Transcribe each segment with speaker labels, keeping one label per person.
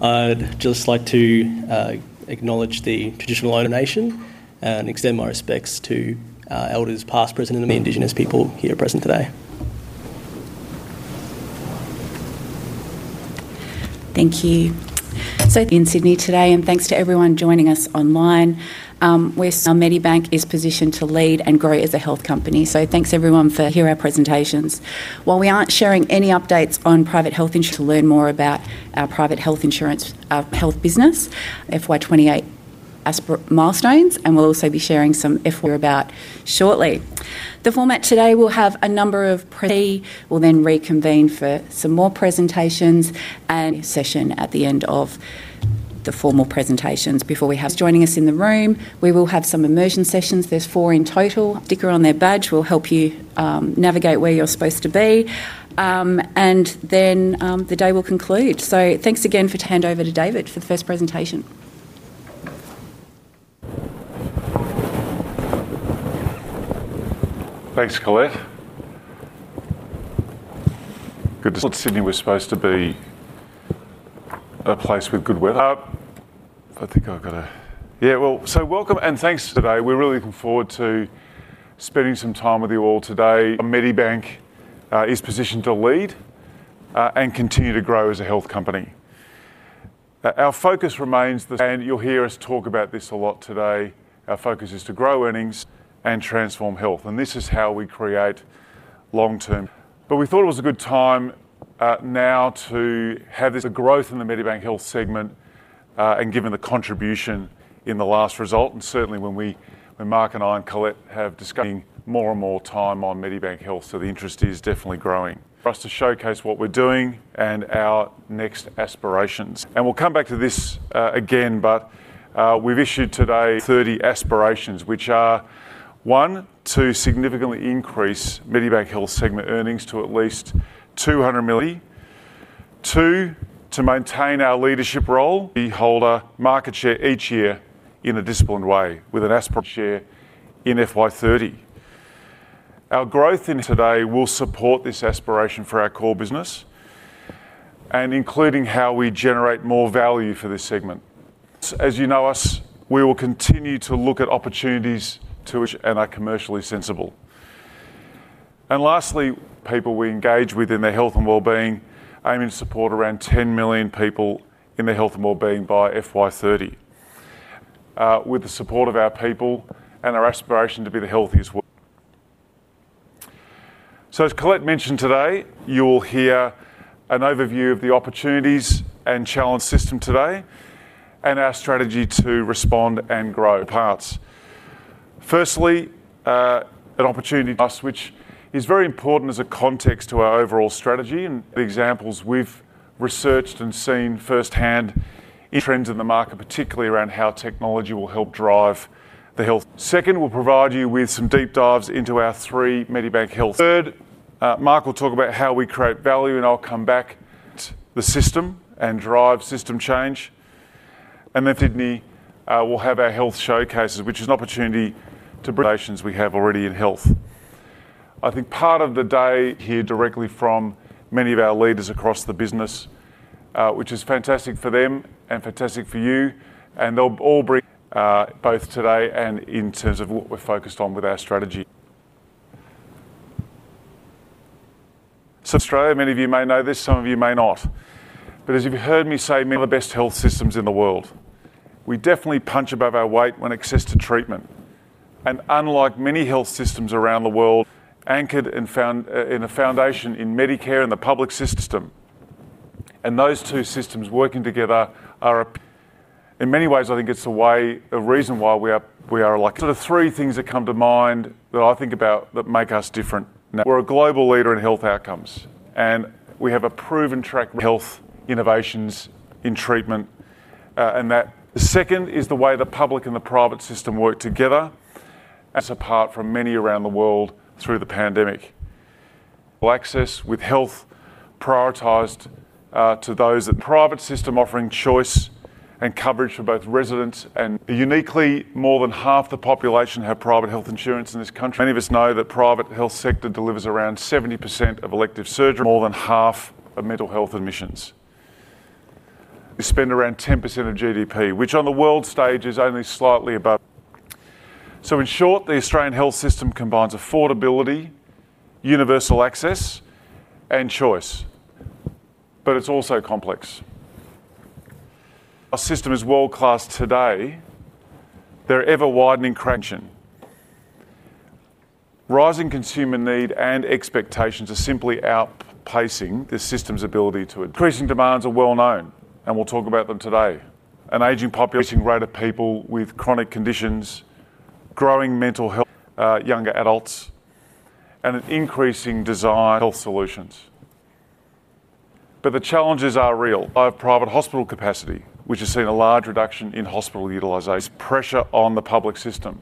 Speaker 1: I'd just like to acknowledge the traditional ownership and extend my respects to our elders, past, present, and Indigenous people here present today
Speaker 2: Thank you. In Sydney today, and thanks to everyone joining us online, Medibank is positioned to lead and grow as a health company. Thanks everyone for hearing our presentations. While we aren't sharing any updates on private health insurance, you can learn more about our private health insurance, our health business, FY 2028 milestones, and we'll also be sharing some about shortly. The format today will have a number of presentations. We'll then reconvene for some more presentations and a session at the end of the formal presentations before we have joining us in the room. We will have some immersion sessions. There are four in total. A sticker on their badge will help you navigate where you're supposed to be, and then the day will conclude. Thanks again for turning over to David for the first presentation.
Speaker 3: Thanks, Collette. Good to see you all in Sydney. We're supposed to be a place with good weather. I think I got a, yeah, welcome and thanks today. We're really looking forward to spending some time with you all today. Medibank is positioned to lead and continue to grow as a health company. Our focus remains, and you'll hear us talk about this a lot today. Our focus is to grow earnings and transform health, and this is how we create long-term. We thought it was a good time now to have this growth in the Medibank Health segment and given the contribution in the last result, and certainly when Mark and I and Collette have discussed spending more and more time on Medibank Health, the interest is definitely growing. For us to showcase what we're doing and our next aspirations, and we'll come back to this again, we've issued today three aspirations, which are, one, to significantly increase Medibank Health segment earnings to at least 200 million. Two, to maintain our leadership role, hold a market share each year in a disciplined way with an aspiration share in FY 2030. Our growth in today will support this aspiration for our core business and including how we generate more value for this segment. As you know us, we will continue to look at opportunities which are commercially sensible. Lastly, people we engage within their health and well-being aiming to support around 10 million people in their health and well-being by FY 2030. With the support of our people and our aspiration to be the healthiest world. As Colette mentioned today, you will hear an overview of the opportunities and challenge system today and our strategy to respond and grow. Firstly, an opportunity to us, which is very important as a context to our overall strategy, and examples we've researched and seen firsthand in trends in the market, particularly around how technology will help drive the health. Second, we'll provide you with some deep dives into our three Medibank Health. Third, Mark will talk about how we create value, and I'll come back to the system and drive system change. In Sydney, we'll have our health showcases, which is an opportunity to bring innovations we have already in health. I think part of the day here directly from many of our leaders across the business, which is fantastic for them and fantastic for you, and they'll all bring both today and in terms of what we're focused on with our strategy. Australia, many of you may know this, some of you may not, but as you've heard me say, we have the best health systems in the world. We definitely punch above our weight when it comes to access to treatment, and unlike many health systems around the world, we're anchored in a foundation in Medicare and the public system, and those two systems working together are, in many ways, I think it's a reason why we are alike. Sort of three things that come to mind that I think about that make us different now. We're a global leader in health outcomes, and we have a proven track record in health innovations in treatment, and that. Second is the way the public and the private system work together and set us apart from many around the world through the pandemic. Access with health prioritized to those that are in the private system, offering choice and coverage for both residents and the community. Uniquely, more than half the population have private health insurance in this country. Many of us know that the private health sector delivers around 70% of elective surgery, more than half of mental health admissions. We spend around 10% of GDP, which on the world stage is only slightly above our average. In short, the Australian health system combines affordability, universal access, and choice, but it's also complex. Our system is world-class today. There are ever-widening trends. Rising consumer need and expectations are simply outpacing the system's ability to adapt. Increasing demands are well known, and we'll talk about them today. An aging population, increasing rate of people with chronic conditions, growing mental health, younger adults, and an increasing desire for health solutions. The challenges are real. Low private hospital capacity, which has seen a large reduction in hospital utilization, pressure on the public system,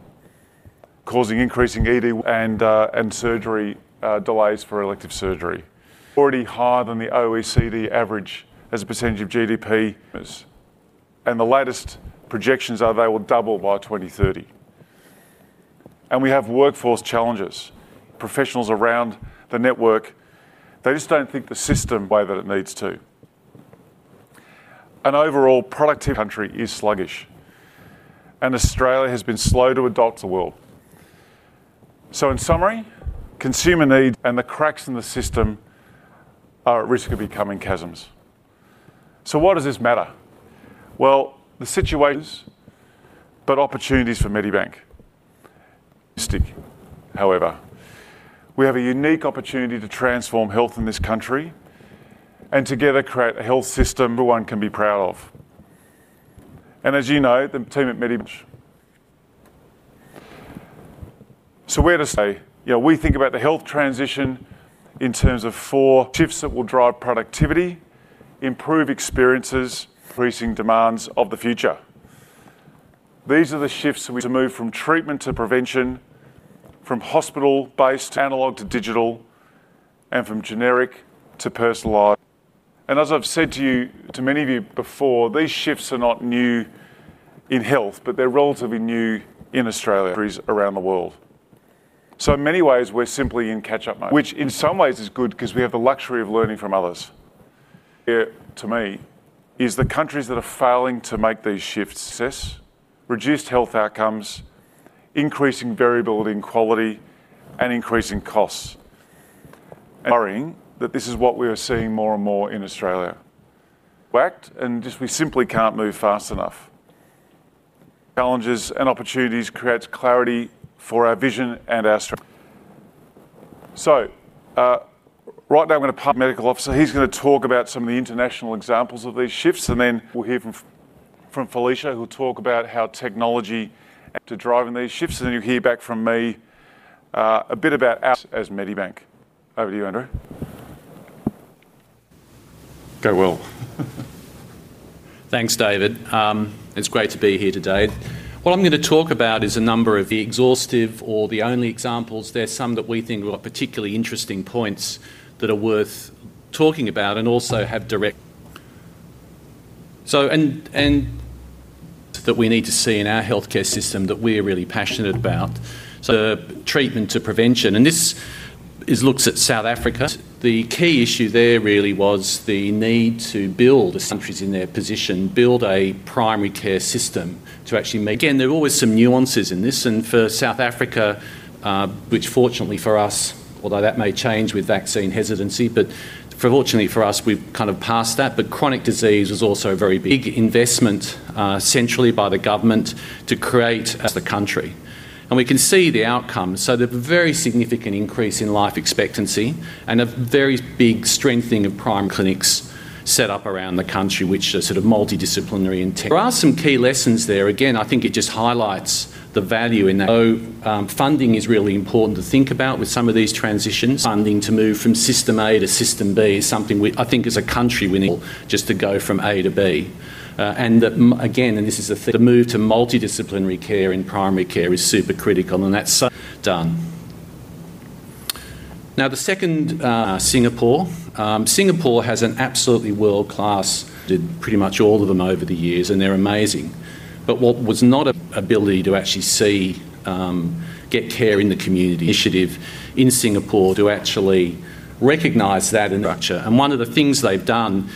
Speaker 3: causing increasing ED and surgery delays for elective surgery. Already higher than the OECD average as a percentage of GDP. The latest projections are they will double by 2030. We have workforce challenges. Professionals around the network, they just don't think the system is the way that it needs to. Overall, productivity in the country is sluggish, and Australia has been slow to adopt the world. In summary, consumer needs and the cracks in the system are at risk of becoming chasms. Why does this matter? The situation is, but opportunities for Medibank. However, we have a unique opportunity to transform health in this country and together create a health system everyone can be proud of. As you know, the team at Medibank, so where to stay? Yeah, we think about the health transition in terms of four shifts that will drive productivity, improve experiences, increasing demands of the future. These are the shifts we need to move from treatment to prevention, from hospital-based analog to digital, and from generic to personalized. As I've said to many of you before, these shifts are not new in health, but they're relatively new in Australia. Countries around the world. In many ways, we're simply in catch-up mode, which in some ways is good because we have the luxury of learning from others. Here to me is the countries that are failing to make these shifts. Success, reduced health outcomes, increasing variability in quality, and increasing costs. I'm worrying that this is what we are seeing more and more in Australia. We're at, and we simply can't move fast enough. Challenges and opportunities create clarity for our vision and our strategy. Right now, I'm going to pass to our Medical Officer. He's going to talk about some of the international examples of these shifts, and then we'll hear from Felicia, who'll talk about how technology and to drive in these shifts. Then you'll hear back from me a bit about our as Medibank. Over to you, Andrew. Go well.
Speaker 4: Thanks, David. It's great to be here today. What I'm going to talk about is a number of the exhaustive or the only examples. There are some that we think have got particularly interesting points that are worth talking about and also have direct. That we need to see in our healthcare system that we're really passionate about. The treatment to prevention, and this looks at South Africa. The key issue there really was the need to build countries in their position, build a primary care system to actually make. There are always some nuances in this, and for South Africa, which fortunately for us, although that may change with vaccine hesitancy, but fortunately for us, we've kind of passed that. Chronic disease was also a very big investment centrally by the government to create the country. We can see the outcomes. The very significant increase in life expectancy and a very big strengthening of primary clinics set up around the country, which are sort of multidisciplinary. There are some key lessons there. I think it just highlights the value in that. Funding is really important to think about with some of these transitions. Funding to move from system A to system B is something we, I think as a country, we need just to go from A to B. The move to multidisciplinary care in primary care is super critical, and that's done. Now, the second Singapore. Singapore has an absolutely world-class. Did pretty much all of them over the years, and they're amazing. What was not able to actually see get care in the community. Initiative in Singapore to actually recognize that and structure. One of the things they've done,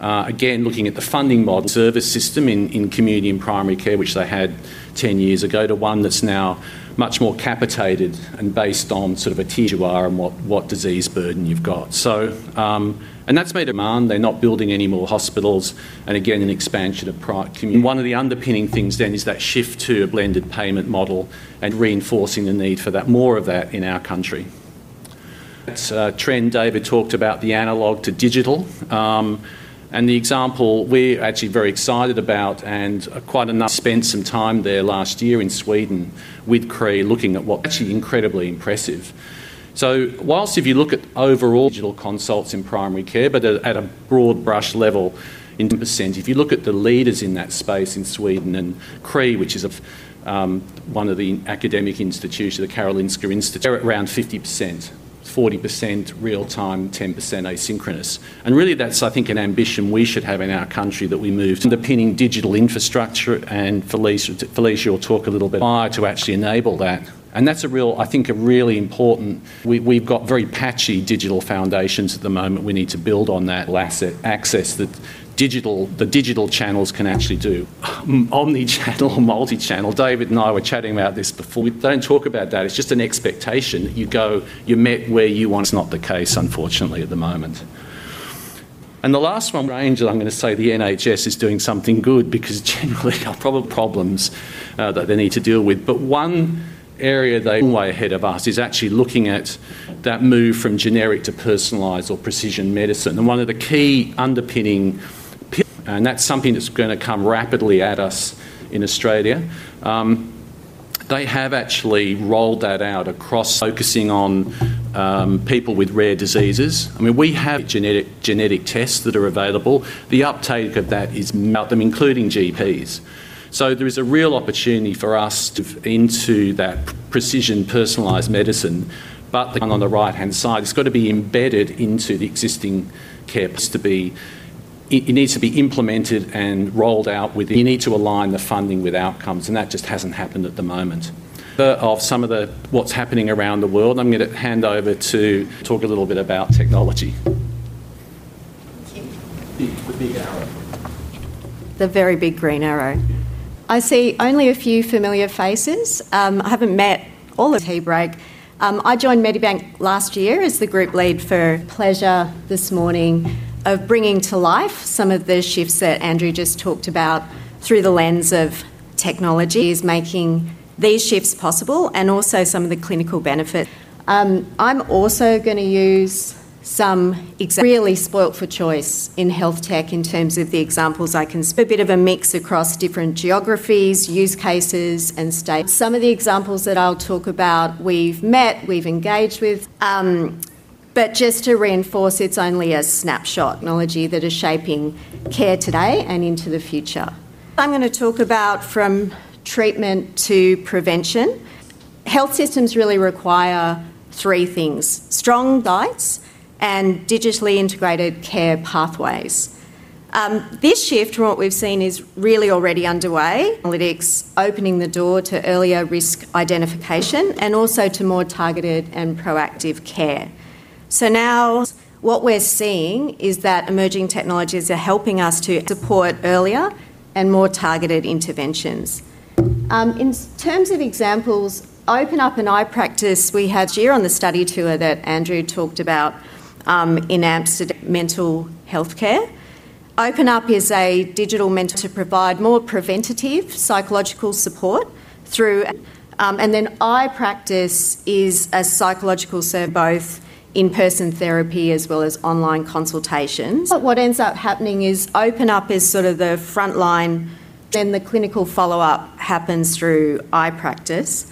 Speaker 4: again, looking at the funding model, service system in community and primary care, which they had 10 years ago, to one that's now much more capitated and based on sort of a TQR and what disease burden you've got. That's made a demand. They're not building any more hospitals, and again, an expansion of private. One of the underpinning things then is that shift to a blended payment model and reinforcing the need for that more of that in our country. That trend David talked about, the analog to digital, and the example we're actually very excited about and quite another spent some time there last year in Sweden with CRI looking at what actually incredibly impressive. If you look at overall digital consults in primary care, at a broad brush level it's 10%. If you look at the leaders in that space in Sweden and CRI, which is one of the academic institutions, the Karolinska Institute, they're at around 50%, 40% real-time, 10% asynchronous. That's, I think, an ambition we should have in our country that we moved. Underpinning digital infrastructure, and Felicia will talk a little bit higher to actually enable that. That's a really important point. We've got very patchy digital foundations at the moment. We need to build on that asset access that the digital channels can actually do. Omnichannel, multichannel. David and I were chatting about this before. We don't talk about that. It's just an expectation. You go, you're met where you want. That's not the case, unfortunately, at the moment. The last one range, and I'm going to say the NHS is doing something good because generally our problems that they need to deal with. One area they're way ahead of us is actually looking at that move from generic to personalized or precision medicine. One of the key underpinnings, and that's something that's going to come rapidly at us in Australia. They have actually rolled that out across, focusing on people with rare diseases. We have genetic tests that are available. The uptake of that is them, including GPs. There is a real opportunity for us to move into that precision personalized medicine, but on the right-hand side, it's got to be embedded into the existing care. It needs to be implemented and rolled out within. You need to align the funding with outcomes, and that just hasn't happened at the moment. Of some of what's happening around the world, I'm going to hand over to talk a little bit about technology.
Speaker 5: Thank you.
Speaker 4: The big arrow.
Speaker 5: The very big green arrow. I see only a few familiar faces. I haven't met all of you. I joined Medibank last year as the Group Lead for Technology. This morning, I have the pleasure of bringing to life some of the shifts that Dr. Andrew Wilson just talked about through the lens of technology making these shifts possible and also some of the clinical benefits. I'm also going to use some really spoilt for choice in health tech in terms of the examples I can spend a bit of a mix across different geographies, use cases, and state. Some of the examples that I'll talk about, we've met, we've engaged with, but just to reinforce, it's only a snapshot. Technology that is shaping care today and into the future. I'm going to talk about from treatment to prevention. Health systems really require three things: strong guides and digitally integrated care pathways. This shift from what we've seen is really already underway. Analytics opening the door to earlier risk identification and also to more targeted and proactive care. Now, what we're seeing is that emerging technologies are helping us to support earlier and more targeted interventions. In terms of examples, Open Up and I Practice, we had this year on the study tour that Dr. Andrew Wilson talked about in Amsterdam. Mental healthcare. Open Up is a digital mental to provide more preventative psychological support through. I Practice is a psychological service, both in-person therapy as well as online consultations. What ends up happening is Open Up is sort of the frontline, then the clinical follow-up happens through I Practice.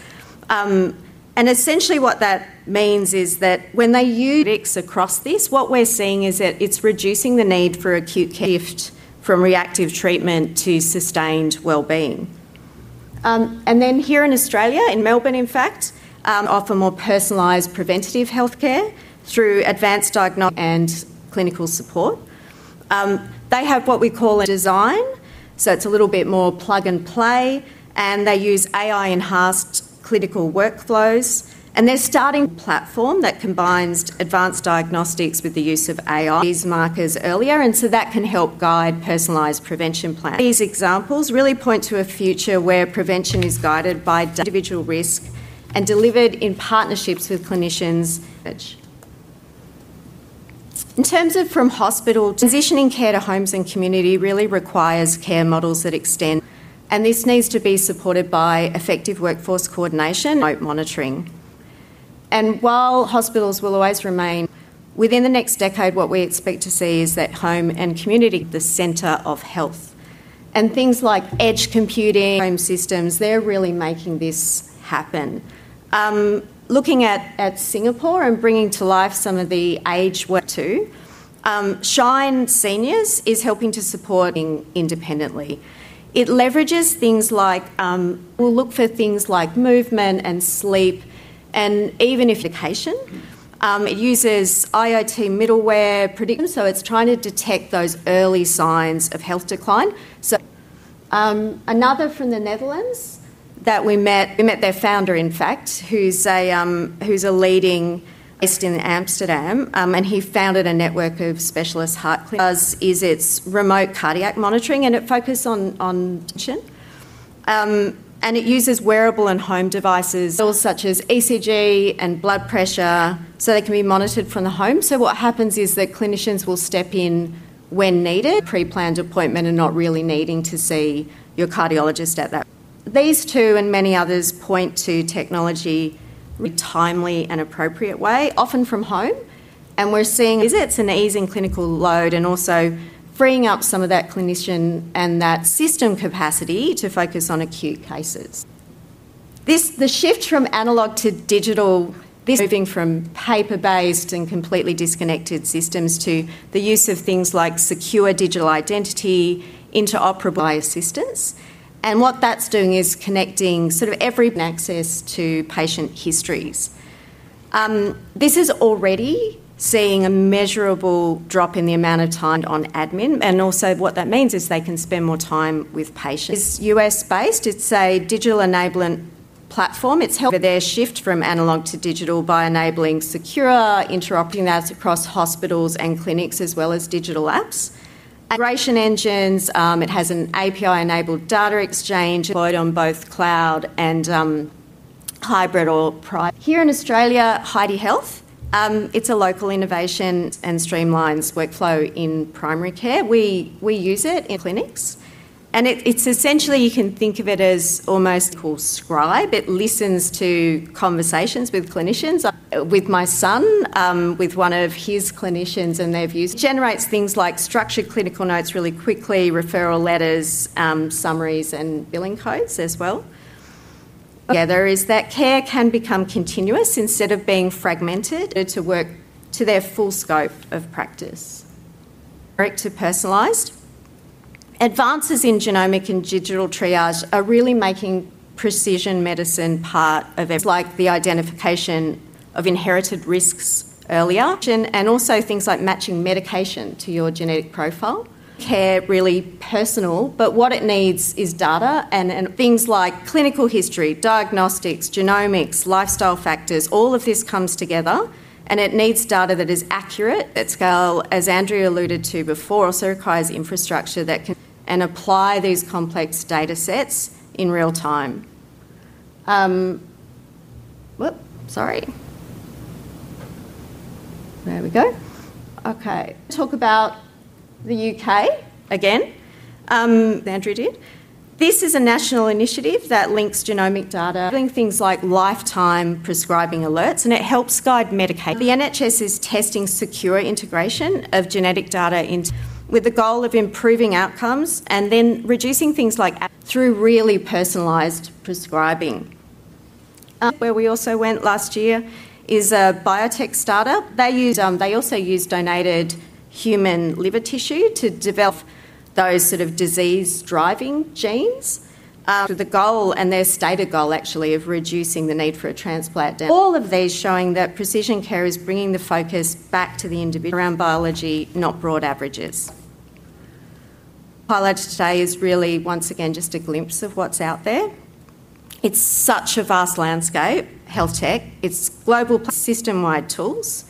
Speaker 5: Essentially what that means is that when they use across this, what we're seeing is that it's reducing the need for acute care. Shift from reactive treatment to sustained well-being. Here in Australia, in Melbourne, in fact, offer more personalized preventative healthcare through advanced diagnostics and clinical support. They have what we call design, so it's a little bit more plug and play, and they use AI-enhanced clinical workflows. They're starting a platform that combines advanced diagnostics with the use of AI markers earlier, and that can help guide personalized prevention plans. These examples really point to a future where prevention is guided by individual risk and delivered in partnerships with clinicians. In terms of from hospital, transitioning care to homes and community really requires care models that extend. This needs to be supported by effective workforce coordination, remote monitoring. While hospitals will always remain, within the next decade, what we expect to see is that home and community are the center of health. Things like edge computing, home systems, they're really making this happen. Looking at Singapore and bringing to life some of the age work too, Shine Seniors is helping to support independently. It leverages things like, we'll look for things like movement and sleep, and even if it's medication. It uses IoT middleware, so it's trying to detect those early signs of health decline. Another from the Netherlands that we met, we met their founder, in fact, who's a leading in Amsterdam, and he founded a network of specialists. What it does is remote cardiac monitoring, and it focuses on, and it uses wearable and home devices such as ECG and blood pressure, so they can be monitored from the home. What happens is that clinicians will step in when needed, pre-planned appointment and not really needing to see your cardiologist at that. These two and many others point to technology in a timely and appropriate way, often from home, and we're seeing it's an easing clinical load and also freeing up some of that clinician and that system capacity to focus on acute cases. The shift from analog to digital, this moving from paper-based and completely disconnected systems to the use of things like secure digital identity, interoperable assistance, and what that's doing is connecting sort of every access to patient histories. This is already seeing a measurable drop in the amount of time on admin, and also what that means is they can spend more time with patients. It's U.S.-based. It's a digital enablement platform. It's helped their shift from analog to digital by enabling secure interoperability across hospitals and clinics as well as digital apps. It has an API-enabled data exchange on both cloud and hybrid or private. Here in Australia, Heidi Health, it's a local innovation and streamlines workflow in primary care. We use it in clinics, and it's essentially, you can think of it as almost a scribe. It listens to conversations with clinicians. With my son, with one of his clinicians, and they've used, it generates things like structured clinical notes really quickly, referral letters, summaries, and billing codes as well. There is that care can become continuous instead of being fragmented to work to their full scope of practice. Direct to personalized. Advances in genomic and digital triage are really making precision medicine part of everything, like the identification of inherited risks earlier, and also things like matching medication to your genetic profile. Care really personal, but what it needs is data and things like clinical history, diagnostics, genomics, lifestyle factors. All of this comes together, and it needs data that is accurate at scale. As Andrew alluded to before, it requires infrastructure that can apply these complex data sets in real time. Talk about the U.K. again. Andrew did. This is a national initiative that links genomic data, doing things like lifetime prescribing alerts, and it helps guide medication. The NHS is testing secure integration of genetic data into the goal of improving outcomes and then reducing things like through really personalized prescribing. Where we also went last year is a biotech startup. They also use donated human liver tissue to develop those sort of disease-driving genes. The goal and their stated goal actually of reducing the need for a transplant. All of these showing that precision care is bringing the focus back to the individual around biology, not broad averages. Biology today is really, once again, just a glimpse of what's out there. It's such a vast landscape, health tech. It's global system-wide tools.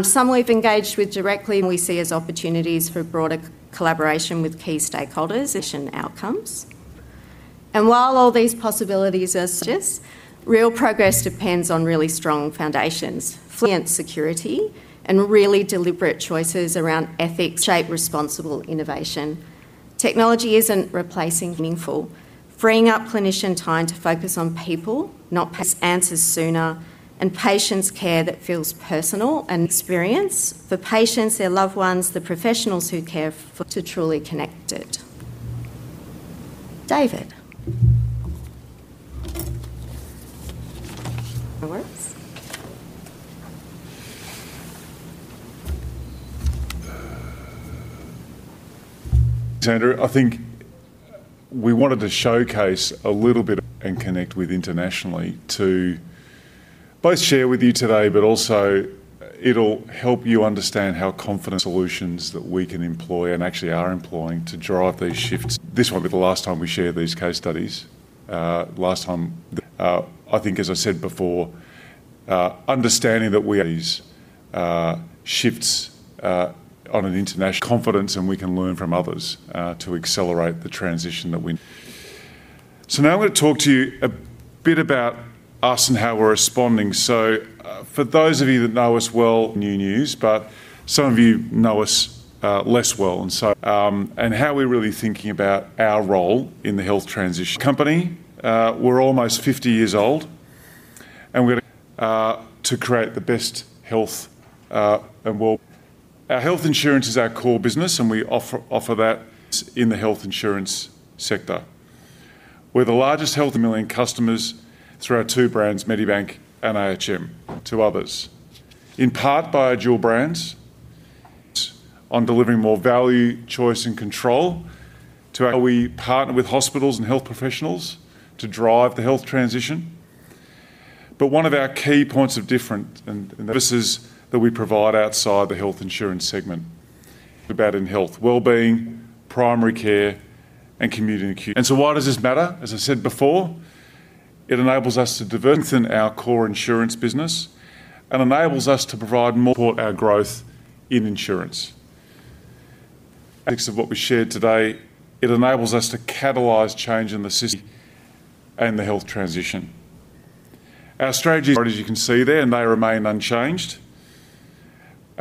Speaker 5: Some we've engaged with directly. We see as opportunities for broader collaboration with key stakeholders and outcomes. While all these possibilities are just real progress depends on really strong foundations, fluent security, and really deliberate choices around ethics shape responsible innovation. Technology isn't replacing meaningful, freeing up clinician time to focus on people, not answers sooner, and patients' care that feels personal and experienced for patients, their loved ones, the professionals who care for to truly connect it. David?
Speaker 3: I think we wanted to showcase a little bit and connect with internationally to both share with you today, but also it'll help you understand how confident solutions that we can employ and actually are employing to drive these shifts. This won't be the last time we share these case studies. As I said before, understanding that we shift on an international confidence, and we can learn from others to accelerate the transition that we. Now I'm going to talk to you a bit about us and how we're responding. For those of you that know us well, new news, but some of you know us less well, and so, and how we're really thinking about our role in the health transition. Company, we're almost 50 years old, and we're going to create the best health and our health insurance is our core business, and we offer that in the health insurance sector. We're the largest health million customers through our two brands, Medibank and AHM, to others, in part by our dual brands. On delivering more value, choice, and control to, we partner with hospitals and health professionals to drive the health transition. One of our key points of difference and services that we provide outside the health insurance segment is about health, well-being, primary care, and community. Why does this matter? As I said before, it enables us to strengthen our core insurance business and enables us to provide more support to our growth in insurance. Of what we shared today, it enables us to catalyze change in the system and the health transition. Our strategy, as you can see there, and they remain unchanged.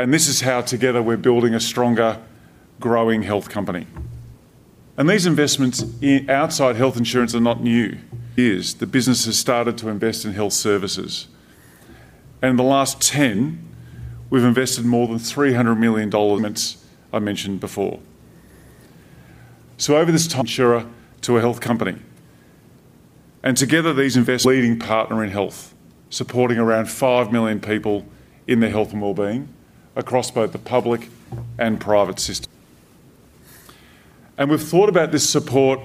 Speaker 3: This is how together we're building a stronger, growing health company. These investments outside health insurance are not new. The business has started to invest in health services. In the last 10, we've invested more than 300 million dollars. I mentioned before. Over this time, insurer to a health company. Together, these investments are a leading partner in health, supporting around 5 million people in their health and well-being across both the public and private system. We've thought about this support,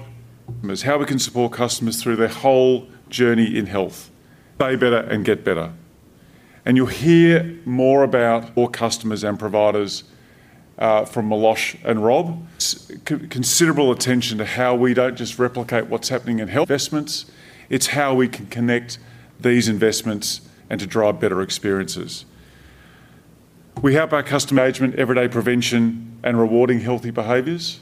Speaker 3: how we can support customers through their whole journey in health. They better and get better. You'll hear more about customers and providers from Milosh and Rob. It's considerable attention to how we don't just replicate what's happening in health investments. It's how we can connect these investments and to drive better experiences. We help our customer management every day prevention and rewarding healthy behaviors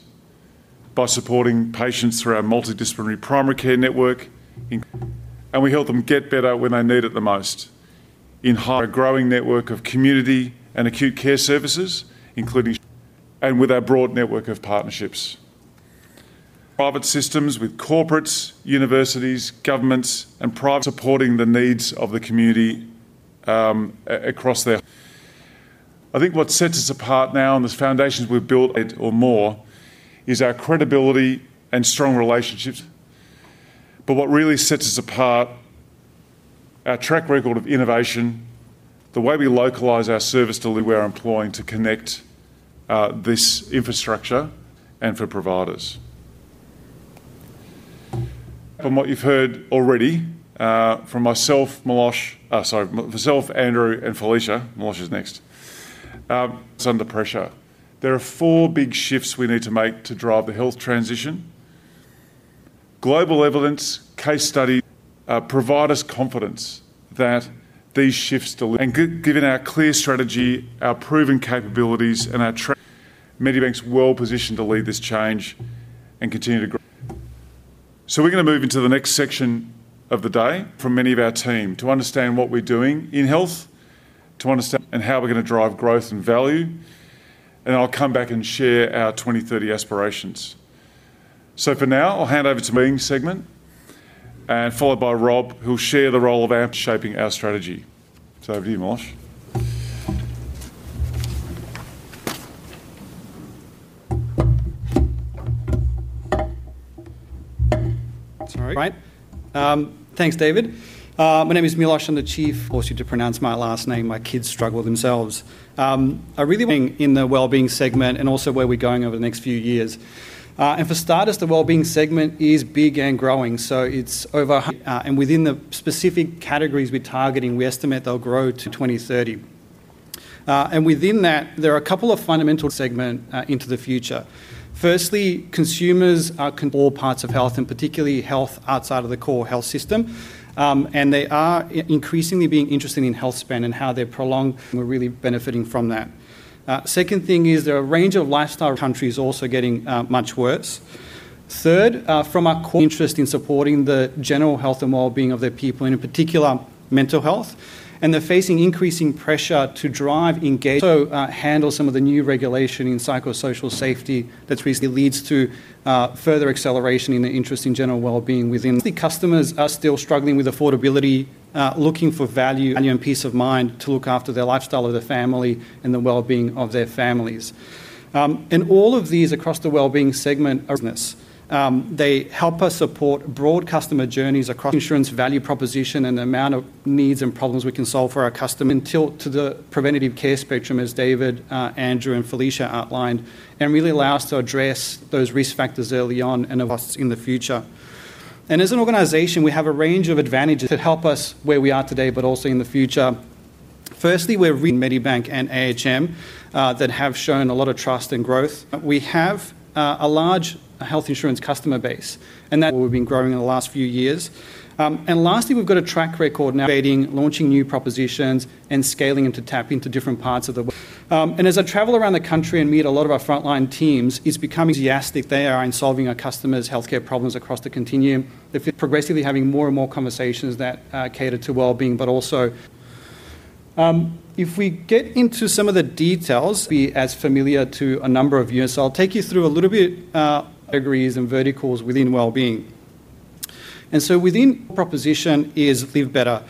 Speaker 3: by supporting patients through our multidisciplinary primary care network. We help them get better when they need it the most. In high, our growing network of community and acute care services, including and with our broad network of partnerships. Private systems with corporates, universities, governments, and private supporting the needs of the community across their. I think what sets us apart now and the foundations we've built or more is our credibility and strong relationships. What really sets us apart, our track record of innovation, the way we localize our service to where we're employing to connect this infrastructure. For providers. From what you've heard already from myself, Andrew, and Felicia, Milosh is next. Under pressure. There are four big shifts we need to make to drive the health transition. Global evidence, case studies provide us confidence that these shifts deliver and given our clear strategy, our proven capabilities, and our Medibank's well-positioned to lead this change and continue to grow. We're going to move into the next section of the day from many of our team to understand what we're doing in health, to understand how we're going to drive growth and value. I'll come back and share our 2030 aspirations. For now, I'll hand over to the meeting segment and followed by Rob, who'll share the role of shaping our strategy. It's over to you, Milosh.
Speaker 6: Sorry. Thanks, David. My name is Milosh. I'm the Chief. Force you to pronounce my last name. My kids struggle themselves. I really think in the well-being segment and also where we're going over the next few years. For starters, the well-being segment is big and growing. It's over. Within the specific categories we're targeting, we estimate they'll grow to 2030. Within that, there are a couple of fundamental segments into the future. Firstly, consumers are all parts of health and particularly health outside of the core health system. They are increasingly being interested in health spend and how their prolonged we're really benefiting from that. Second thing is there are a range of lifestyle countries also getting much worse. Third, from our interest in supporting the general health and well-being of their people and in particular mental health, and they're facing increasing pressure to drive engagement. Also, handle some of the new regulation in psychosocial safety that's recently leading to further acceleration in the interest in general well-being within customers are still struggling with affordability, looking for value and peace of mind to look after their lifestyle of the family and the well-being of their families. All of these across the well-being segment are. They help us support broad customer journeys across insurance value proposition and the amount of needs and problems we can solve for our customers. Tilt to the preventative care spectrum, as David, Andrew, and Felicia outlined, and really allow us to address those risk factors early on and in the future. As an organization, we have a range of advantages that help us where we are today, but also in the future. Firstly, we're Medibank and AHM that have shown a lot of trust and growth. We have a large health insurance customer base, and that we've been growing in the last few years. Lastly, we've got a track record now, launching new propositions and scaling to tap into different parts of the world. As I travel around the country and meet a lot of our frontline teams, it's becoming enthusiastic they are in solving our customers' healthcare problems across the continuum. They're progressively having more and more conversations that cater to well-being, but also. If we get into some of the details, be as familiar to a number of you. I'll take you through a little bit of categories and verticals within well-being. Within proposition is Live Better.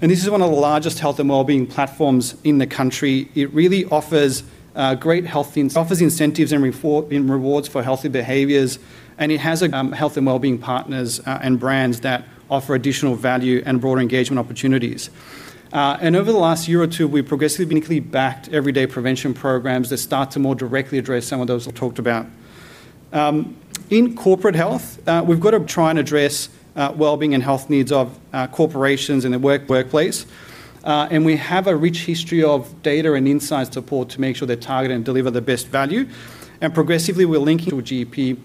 Speaker 6: This is one of the largest health and well-being platforms in the country. It really offers great health incentives and rewards for healthy behaviors, and it has health and well-being partners and brands that offer additional value and broader engagement opportunities. Over the last year or two, we've progressively backed everyday prevention programs that start to more directly address some of those talked about. In corporate health, we've got to try and address well-being and health needs of corporations in the workplace. We have a rich history of data and insight support to make sure they're targeted and deliver the best value. Progressively, we're linking with GP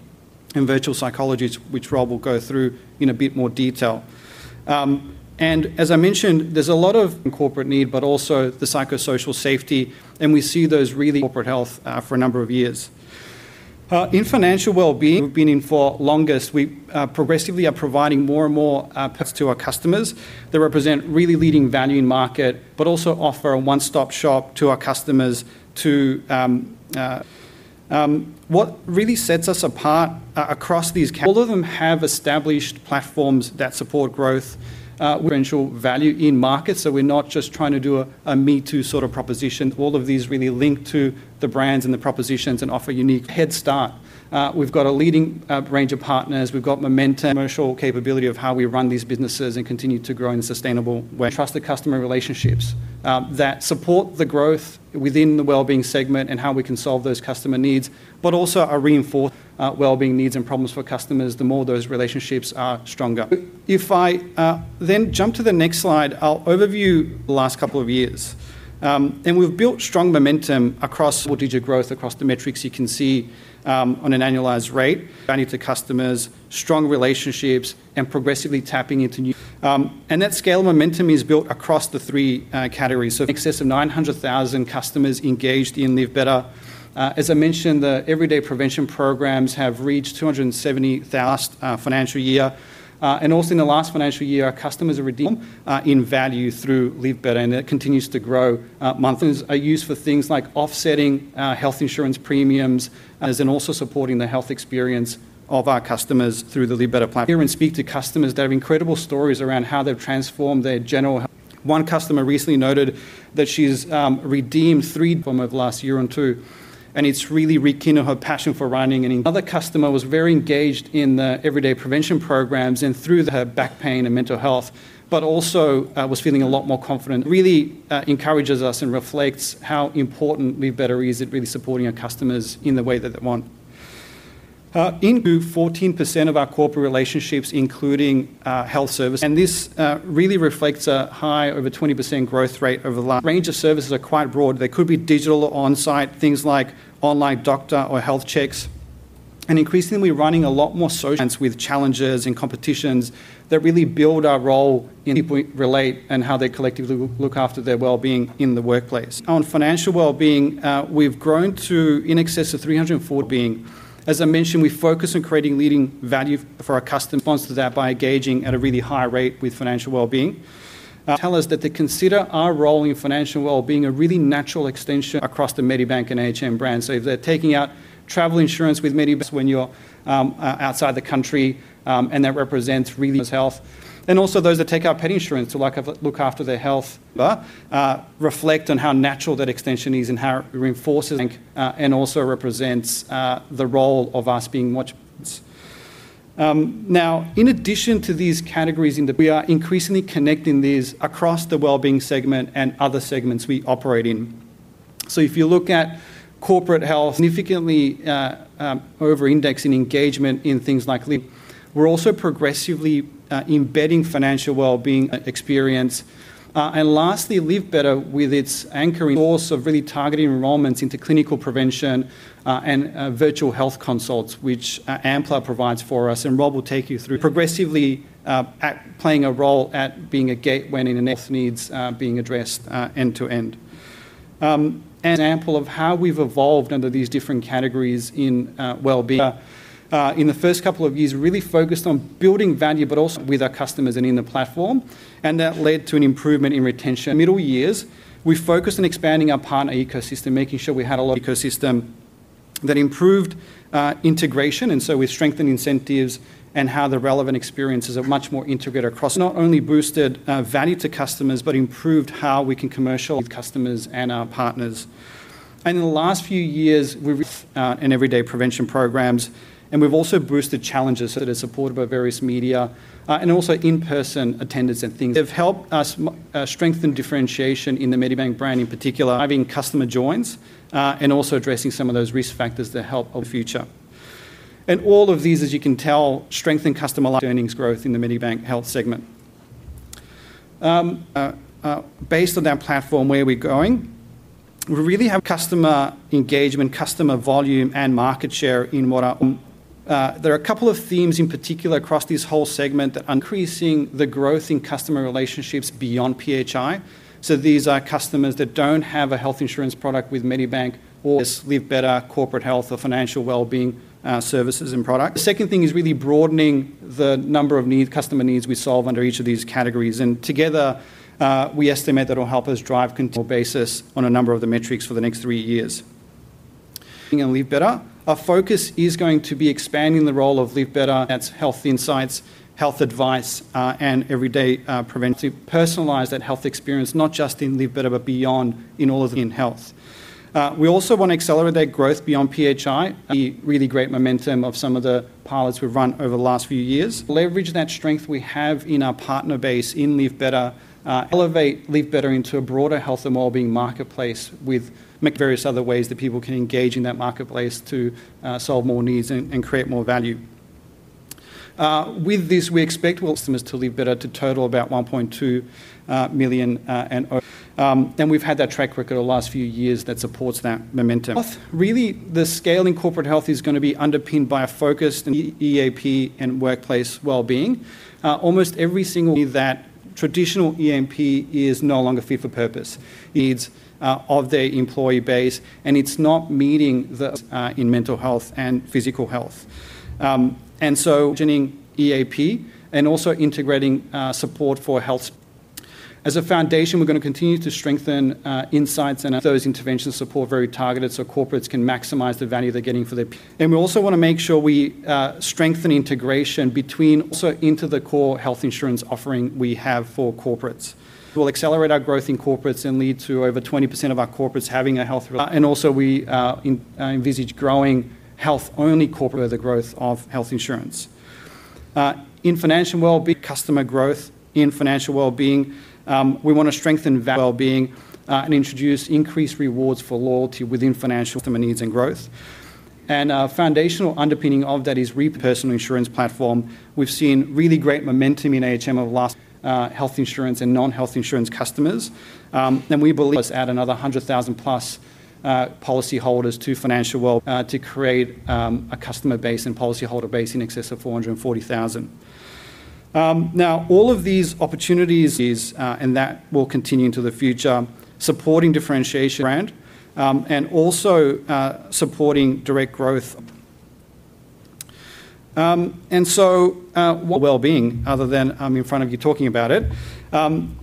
Speaker 6: and virtual psychologists, which Rob will go through in a bit more detail. As I mentioned, there's a lot of corporate need, but also the psychosocial safety. We see those really corporate health for a number of years. In financial well-being, we've been in for longest. We progressively are providing more and more to our customers that represent really leading value in market, but also offer a one-stop shop to our customers to what really sets us apart across these. All of them have established platforms that support growth. We're potential value in markets. We're not just trying to do a me-too sort of proposition. All of these really link to the brands and the propositions and offer unique head start. We've got a leading range of partners. We've got momentum commercial capability of how we run these businesses and continue to grow in sustainable ways. Trust the customer relationships that support the growth within the well-being segment and how we can solve those customer needs, but also are reinforcing well-being needs and problems for customers. The more those relationships are stronger. If I then jump to the next slide, I'll overview the last couple of years. We've built strong momentum across digital growth across the metrics you can see on an annualized rate. Value to customers, strong relationships, and progressively tapping into new. That scale momentum is built across the three categories. In excess of 900,000 customers engaged in Live Better. As I mentioned, the everyday prevention programs have reached 270,000 in the last financial year. Also in the last financial year, our customers are in value through Live Better, and it continues to grow monthly. These are used for things like offsetting health insurance premiums and also supporting the health experience of our customers through the Live Better platform. I'll speak to customers that have incredible stories around how they've transformed their general. One customer recently noted that she's redeemed three of the last year or two, and it's really rekindled her passion for running and other customers were very engaged in the everyday prevention programs. Through her back pain and mental health, she also was feeling a lot more confident. This really encourages us and reflects how important Live Better is at really supporting our customers in the way that they want. In 14% of our corporate relationships, including health services, this really reflects a high over 20% growth rate over the last range of services. The services are quite broad. They could be digital or on-site, things like online doctor or health checks. Increasingly, we're running a lot more social events with challenges and competitions that really build our role in how people relate and how they collectively look after their well-being in the workplace. On financial well-being, we've grown to in excess of 340 well-being. As I mentioned, we focus on creating leading value for our customers. Customers respond to that by engaging at a really high rate with financial well-being. They tell us that they consider our role in financial well-being a really natural extension across the Medibank and AHM brand. If they're taking out travel insurance with Medibank when you're outside the country, that represents really health. Those that take out pet insurance to look after their health reflect on how natural that extension is and how it reinforces and also represents the role of us being much. In addition to these categories, we are increasingly connecting these across the well-being segment and other segments we operate in. If you look at corporate health, significantly over-indexing engagement in things like living. We're also progressively embedding financial well-being experience. Lastly, Live Better with its anchor source of really targeting enrollments into clinical prevention and virtual health consults, which Amplar provides for us. Rob will take you through progressively playing a role at being a gateway in health needs being addressed end-to-end. This is an example of how we've evolved under these different categories in well-being. In the first couple of years, we really focused on building value, but also with our customers and in the platform. That led to an improvement in retention. In the middle years, we focused on expanding our partner ecosystem, making sure we had a lot of ecosystem that improved integration. We strengthened incentives and how the relevant experiences are much more integrated across. Not only boosted value to customers, but improved how we can commercialize customers and our partners. In the last few years, we've in everyday prevention programs. We've also boosted challenges that are supported by various media and also in-person attendance and things. They've helped us strengthen differentiation in the Medibank brand in particular, driving customer joins and also addressing some of those risk factors that help the future. All of these, as you can tell, strengthen customer earnings growth in the Medibank Health segment. Based on that platform, where we're going, we really have customer engagement, customer volume, and market share in what are there are a couple of themes in particular across this whole segment that are increasing the growth in customer relationships beyond PHI. These are customers that don't have a health insurance product with Medibank or Live Better corporate health or financial well-being services and products. The second thing is really broadening the number of customer needs we solve under each of these categories. Together, we estimate that it'll help us drive basis on a number of the metrics for the next three years. Live Better, our focus is going to be expanding the role of Live Better. That's health insights, health advice, and everyday prevention. To personalize that health experience, not just in Live Better, but beyond in all of the health. We also want to accelerate that growth beyond PHI. The really great momentum of some of the pilots we've run over the last few years. Leverage that strength we have in our partner base in Live Better and elevate Live Better into a broader health and well-being marketplace with various other ways that people can engage in that marketplace to solve more needs and create more value. With this, we expect customers to Live Better to total about 1.2 million and over. We've had that track record over the last few years that supports that momentum. Really, the scaling corporate health is going to be underpinned by a focused EAP and workplace well-being. Almost every single that traditional EAP is no longer fit for purpose. It needs of their employee base, and it's not meeting the needs in mental health and physical health. Envisioning EAP and also integrating support for health. As a foundation, we're going to continue to strengthen insights and those interventions support very targeted so corporates can maximize the value they're getting for their patients. We also want to make sure we strengthen integration between also into the core health insurance offering we have for corporates. We'll accelerate our growth in corporates and lead to over 20% of our corporates having a health. We envisage growing health-only corporate growth of health insurance. In financial well-being, customer growth in financial well-being, we want to strengthen well-being and introduce increased rewards for loyalty within financial customer needs and growth. A foundational underpinning of that is personal insurance platform. We've seen really great momentum in AHM over the last health insurance and non-health insurance customers. We believe we'll add another 100,000+ policyholders to financial well-being to create a customer base and policyholder base in excess of 440,000. All of these opportunities, and that will continue into the future, supporting differentiation brand and also supporting direct growth. What well-being other than I'm in front of you talking about it.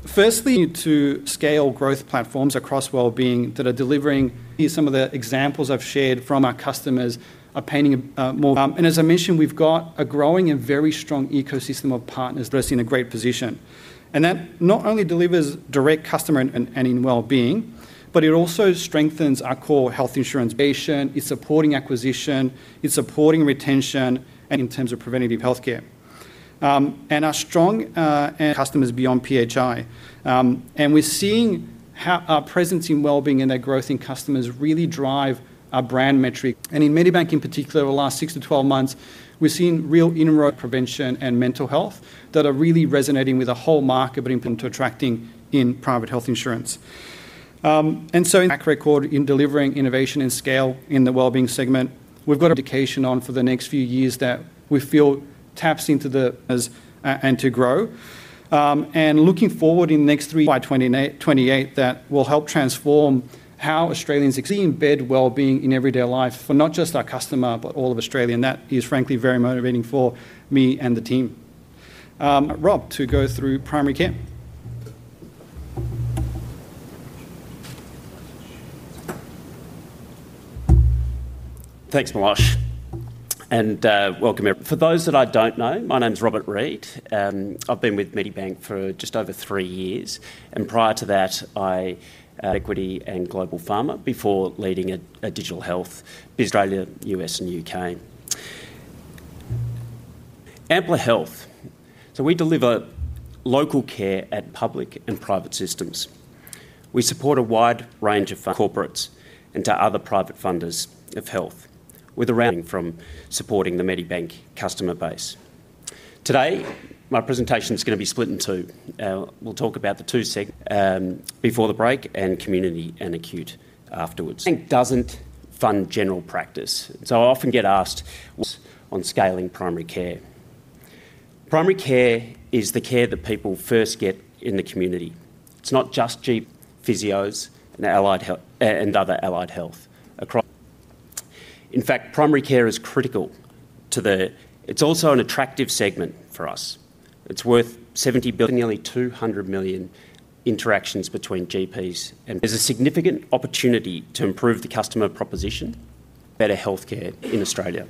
Speaker 6: Firstly, to scale growth platforms across well-being that are delivering some of the examples I've shared from our customers are painting a more. As I mentioned, we've got a growing and very strong ecosystem of partners in a great position. That not only delivers direct customer and in well-being, but it also strengthens our core health insurance. It's supporting acquisition. It's supporting retention and in terms of preventative healthcare. Our strong and customers beyond PHI. We're seeing how our presence in well-being and that growth in customers really drive our brand metric. In Medibank in particular, over the last 6 to 12 months, we've seen real inroads in prevention and mental health that are really resonating with the whole market, but into attracting in private health insurance. Track record in delivering innovation and scale in the well-being segment. We've got an indication on for the next few years that we feel taps into the business and to grow. Looking forward in the next three, by 2028, that will help transform how Australians embed well-being in everyday life for not just our customer, but all of Australia. That is frankly very motivating for me and the team. Rob, to go through primary care.
Speaker 7: Thanks, Milosh. Welcome. For those that I don't know, my name's Robert Read. I've been with Medibank for just over three years. Prior to that, I was equity and global pharma before leading a digital health business. Australia, U.S., and U.K. Amplar Health. We deliver local care at public and private systems. We support a wide range of corporates and to other private funders of health, with around from supporting the Medibank customer base. Today, my presentation is going to be split in two. We'll talk about the two segments before the break and community and acute afterwards. Medibank doesn't fund general practice. I often get asked, well, on scaling primary care. Primary care is the care that people first get in the community. It's not just GPs, physios, and other allied health across. In fact, primary care is critical to the, it's also an attractive segment for us. It's worth 70 billion, nearly 200 million interactions between GPs and there's a significant opportunity to improve the customer proposition, better healthcare in Australia.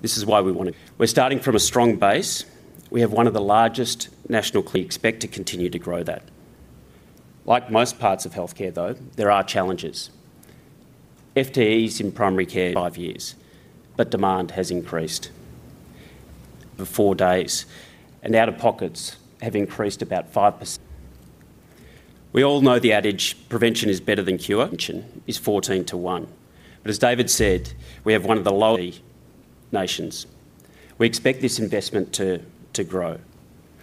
Speaker 7: This is why we want to, we're starting from a strong base. We have one of the largest national, we expect to continue to grow that. Like most parts of healthcare, though, there are challenges. FTEs in primary care, years, but demand has increased. For four days, and out-of-pockets have increased about 5%. We all know the adage, prevention is better than cure. Prevention is 14 to 1. As David said, we have one of the lowest nations. We expect this investment to grow.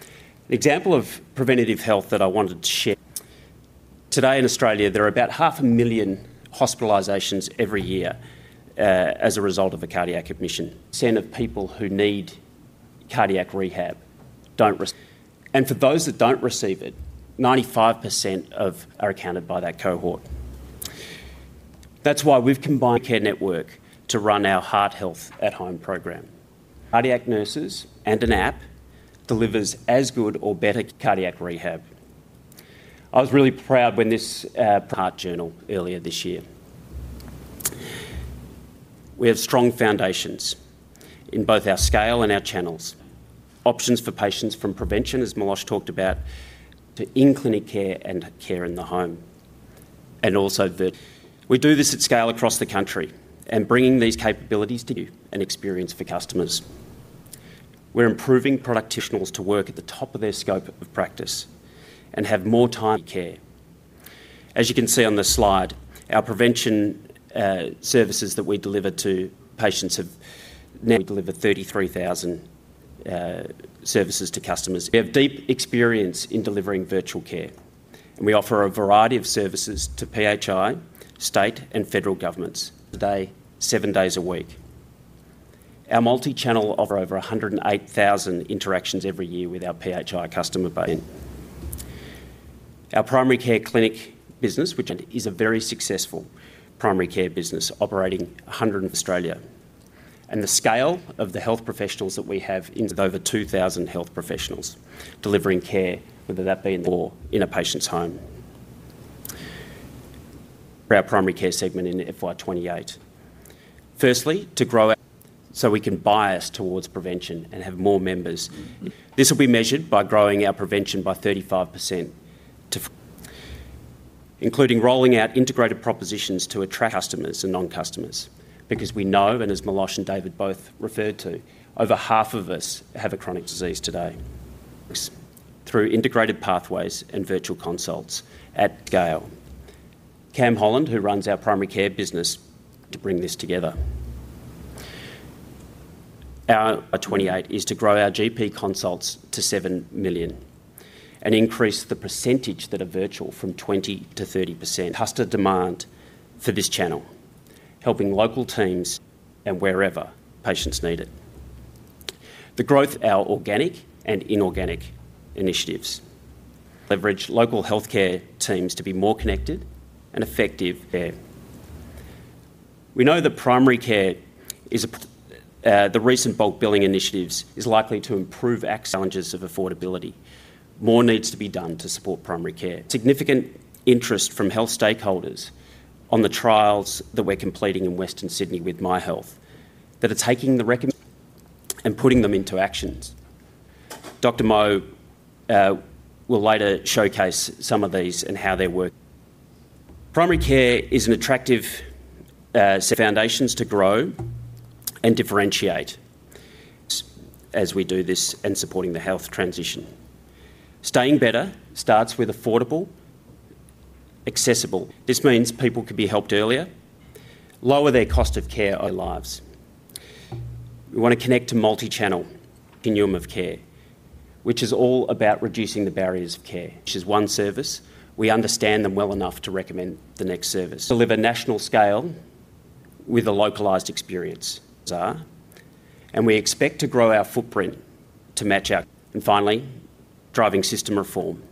Speaker 7: An example of preventative health that I wanted to share. Today in Australia, there are about half a million hospitalizations every year as a result of a cardiac admission. Of people who need cardiac rehab don't receive it. For those that don't receive it, 95% of are accounted by that cohort. That's why we've combined the care network to run our heart health at home program. Cardiac nurses and an app delivers as good or better cardiac rehab. I was really proud when this heart journal earlier this year. We have strong foundations in both our scale and our channels. Options for patients from prevention, as Milosh talked about, to in-clinic care and care in the home. Also virtual. We do this at scale across the country, bringing these capabilities to you and experience for customers. We're improving practitioners to work at the top of their scope of practice and have more time to care. As you can see on this slide, our prevention services that we deliver to patients have now delivered 33,000 services to customers. We have deep experience in delivering virtual care, and we offer a variety of services to PHI, state, and federal governments, a day, seven days a week. Our multi-channel offers over 108,000 interactions every year with our PHI customer base. Our primary care clinic business, which is a very successful primary care business, operating 100 Australia. The scale of the health professionals that we have is over 2,000 health professionals delivering care, whether that be in the home or in a patient's home. Our primary care segment in FY 2028, firstly, to grow so we can bias towards prevention and have more members in. This will be measured by growing our prevention by 35%, including rolling out integrated propositions to attract customers and non-customers. Because we know, and as Milosh and David both referred to, over half of us have a chronic disease today. Through integrated pathways and virtual consults at scale. Cam Holland, who runs our primary care business, to bring this together. Our FY 2028 is to grow our GP consults to 7 million and increase the percentage that are virtual from 20% to 30%. Husker demand for this channel, helping local teams and wherever patients need it. The growth, our organic and inorganic initiatives leverage local healthcare teams to be more connected and effective. Care. We know that primary care is a, the recent bulk billing initiatives are likely to improve access. Challenges of affordability. More needs to be done to support primary care. Significant interest from health stakeholders on the trials that we're completing in Western Sydney with Myhealth that are taking the recommendations and putting them into actions. Dr. Mo will later showcase some of these and how they work. Primary care is an attractive foundation to grow and differentiate. As we do this and supporting the health transition. Staying better starts with affordable, accessible. This means people can be helped earlier, lower their cost of care lives. We want to connect to multi-channel continuum of care, which is all about reducing the barriers of care. Is one service. We understand them well enough to recommend the next service. Deliver national scale with a localized experience. We are, and we expect to grow our footprint to match our needs. Finally, driving system reform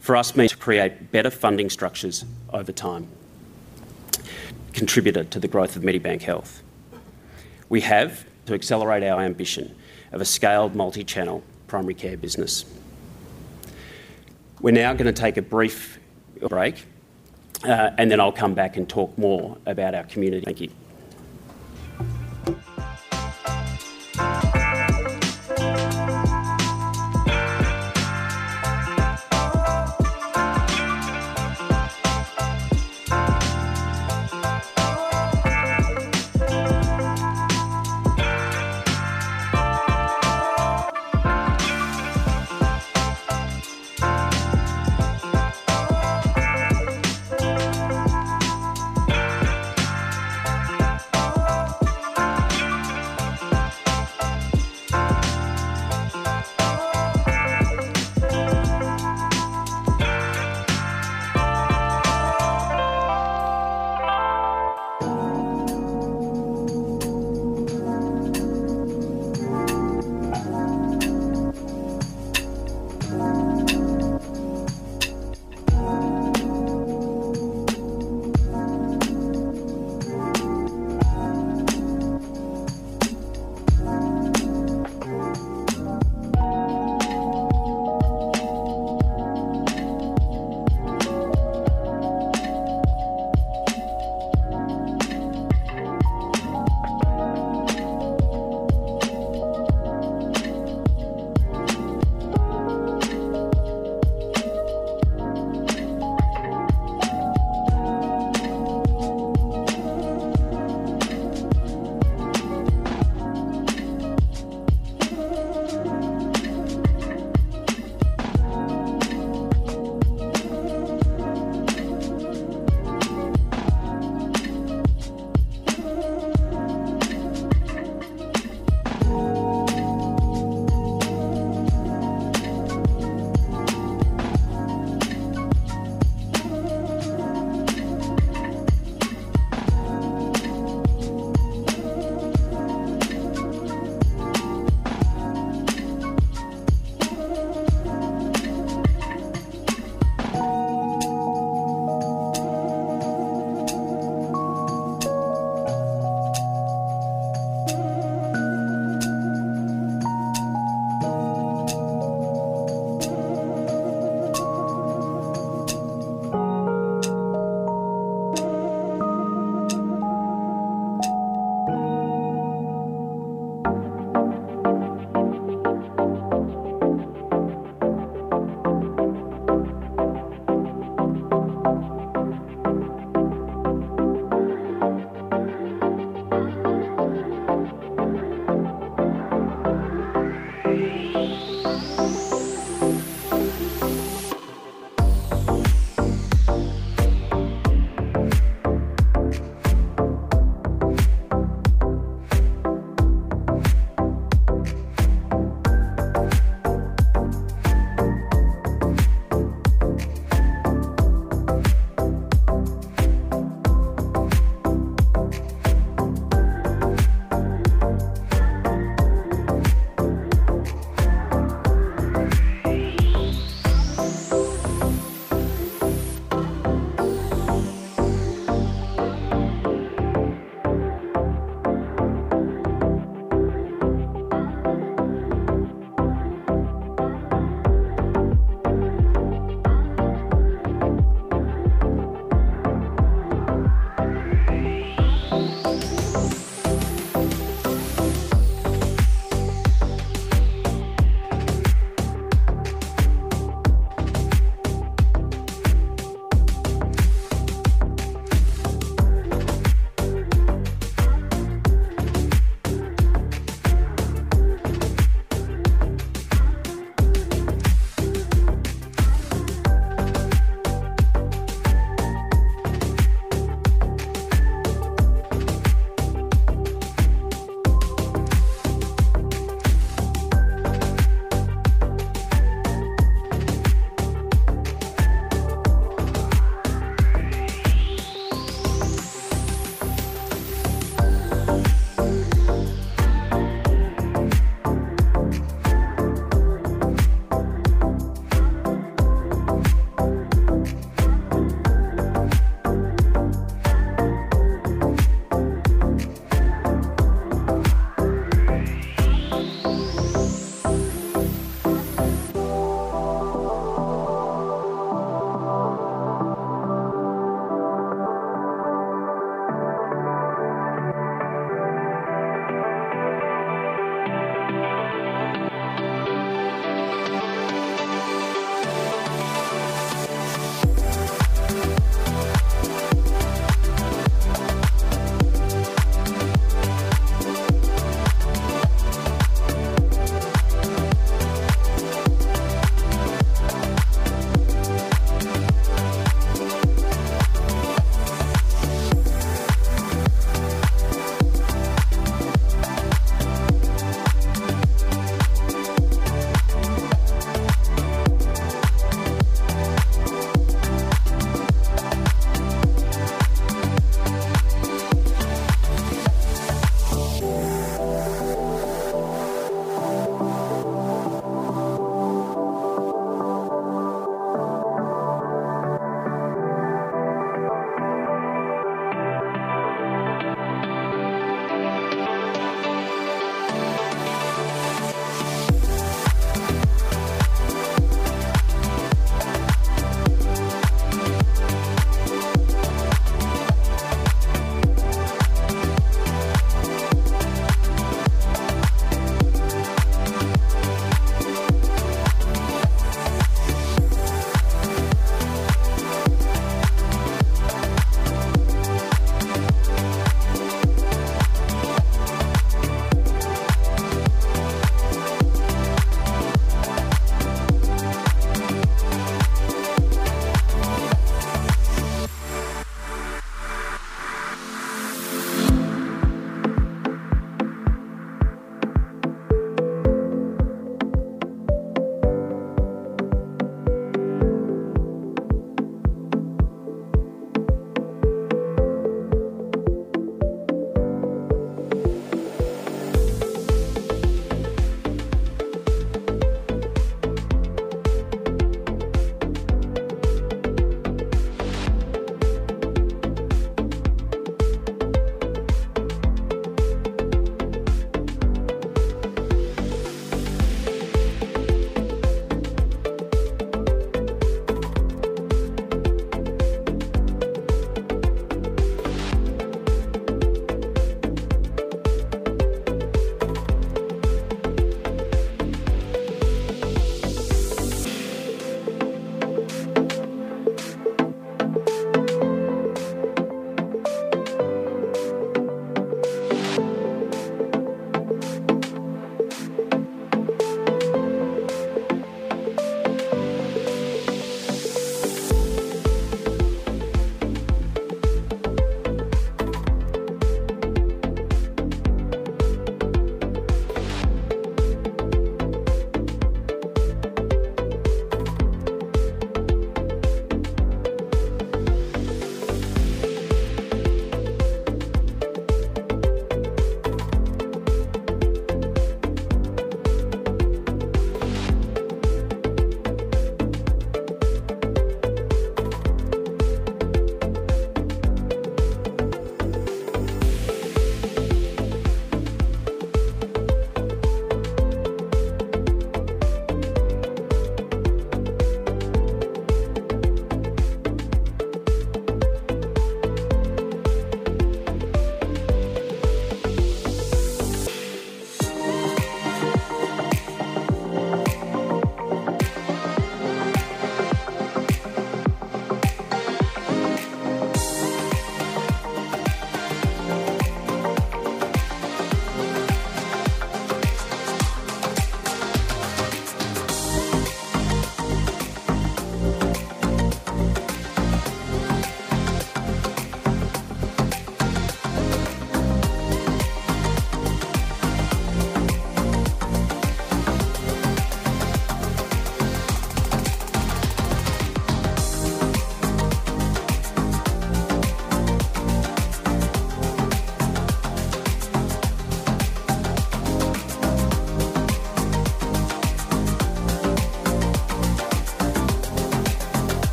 Speaker 7: for us means to create better funding structures over time. Contributor to the growth of Medibank Health. We have to accelerate our ambition of a scaled multi-channel primary care business. We're now going to take a brief break, and then I'll come back and talk more about our community.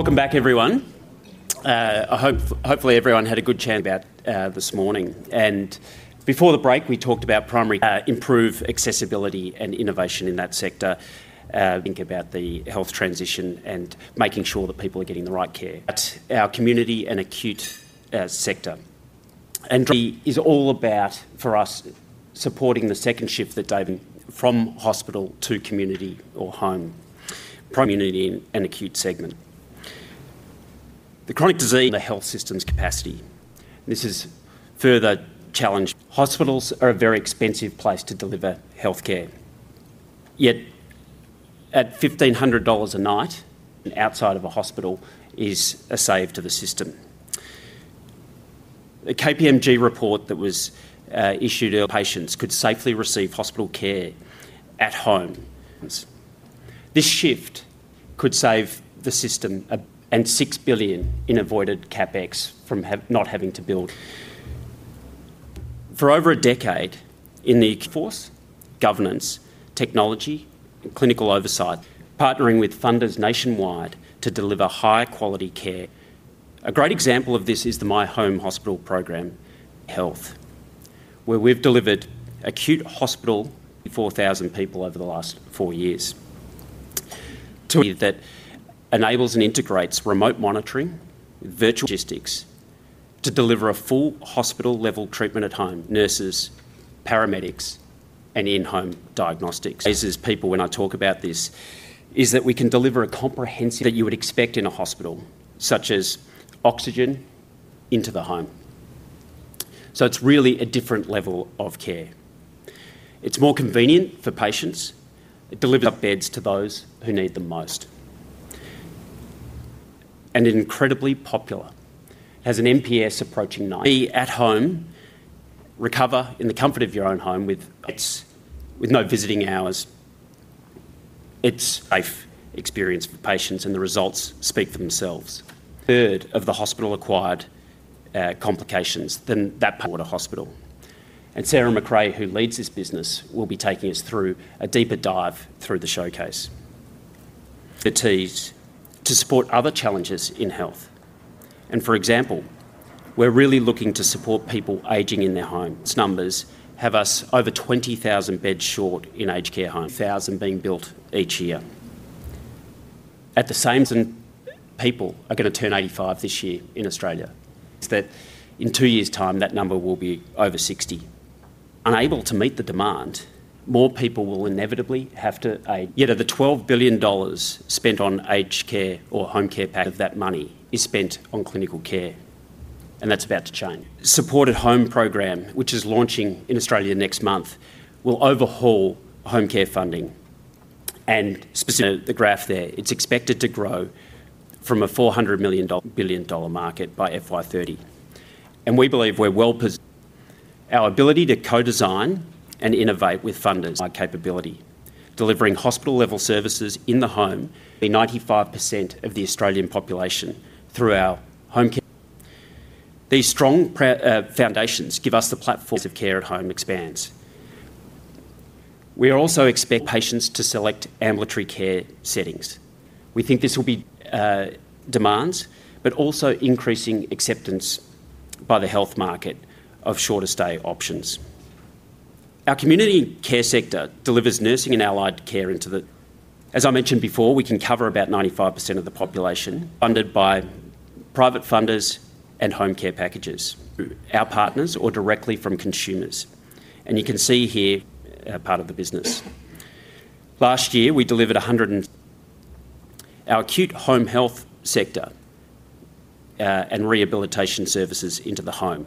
Speaker 7: Welcome back, everyone. Hopefully everyone had a good chat about this morning. Before the break, we talked about primary care and improved accessibility and innovation in that sector. We think about the health transition and making sure that people are getting the right care, our community and acute sector. It is all about, for us, supporting the second shift that David from hospital to community or home. Primary care and acute segment, the chronic disease and the health system's capacity. This is further challenged. Hospitals are a very expensive place to deliver health care, yet at 1,500 dollars a night, and outside of a hospital is a save to the system. A KPMG report that was issued earlier shows patients could safely receive hospital care at home. This shift could save the system 6 billion in avoided CapEx from not having to build. For over a decade, in the workforce, governance, technology, and clinical oversight, partnering with funders nationwide to deliver high-quality care. A great example of this is the My Home Hospital Program Health, where we've delivered acute hospital to over 4,000 people over the last four years. To enable and integrate remote monitoring, virtual logistics to deliver a full hospital-level treatment at home, nurses, paramedics, and in-home diagnostics. What amazes people when I talk about this is that we can deliver a comprehensive care that you would expect in a hospital, such as oxygen into the home. It is really a different level of care. It's more convenient for patients. It delivers beds to those who need them most and is incredibly popular. It has an NPS approaching 9. Be at home, recover in the comfort of your own home with no visiting hours. It's a safe experience for patients, and the results speak for themselves. A third of the hospital-acquired complications than that part of the hospital. Sarah McCray, who leads this business, will be taking us through a deeper dive through the showcase. It is to support other challenges in health. For example, we're really looking to support people aging in their home. Numbers have us over 20,000 beds short in aged care homes, 2,000 being built each year. At the same time, people are going to turn 85 this year in Australia. In two years' time, that number will be over 60. Unable to meet the demand, more people will inevitably have to age. Yet of the 12 billion dollars spent on aged care or home care pack, that money is spent on clinical care. That's about to change. The Support at Home Program, which is launching in Australia next month, will overhaul home care funding. Specifically, the graph there, it's expected to grow from a AUD 400 million market by FY 2030. We believe we're well positioned. Our ability to co-design and innovate with funders is our capability, delivering hospital-level services in the home to 95% of the Australian population through our home care. These strong foundations give us the platform to expand care at home. We also expect patients to select ambulatory care settings. We think this will be demands, but also increasing acceptance by the health market of shorter stay options. Our community care sector delivers nursing and allied care into the. As I mentioned before, we can cover about 95% of the population, funded by private funders and home care packages, our partners or directly from consumers. You can see here a part of the business. Last year, we delivered our acute home health sector and rehabilitation services into the home,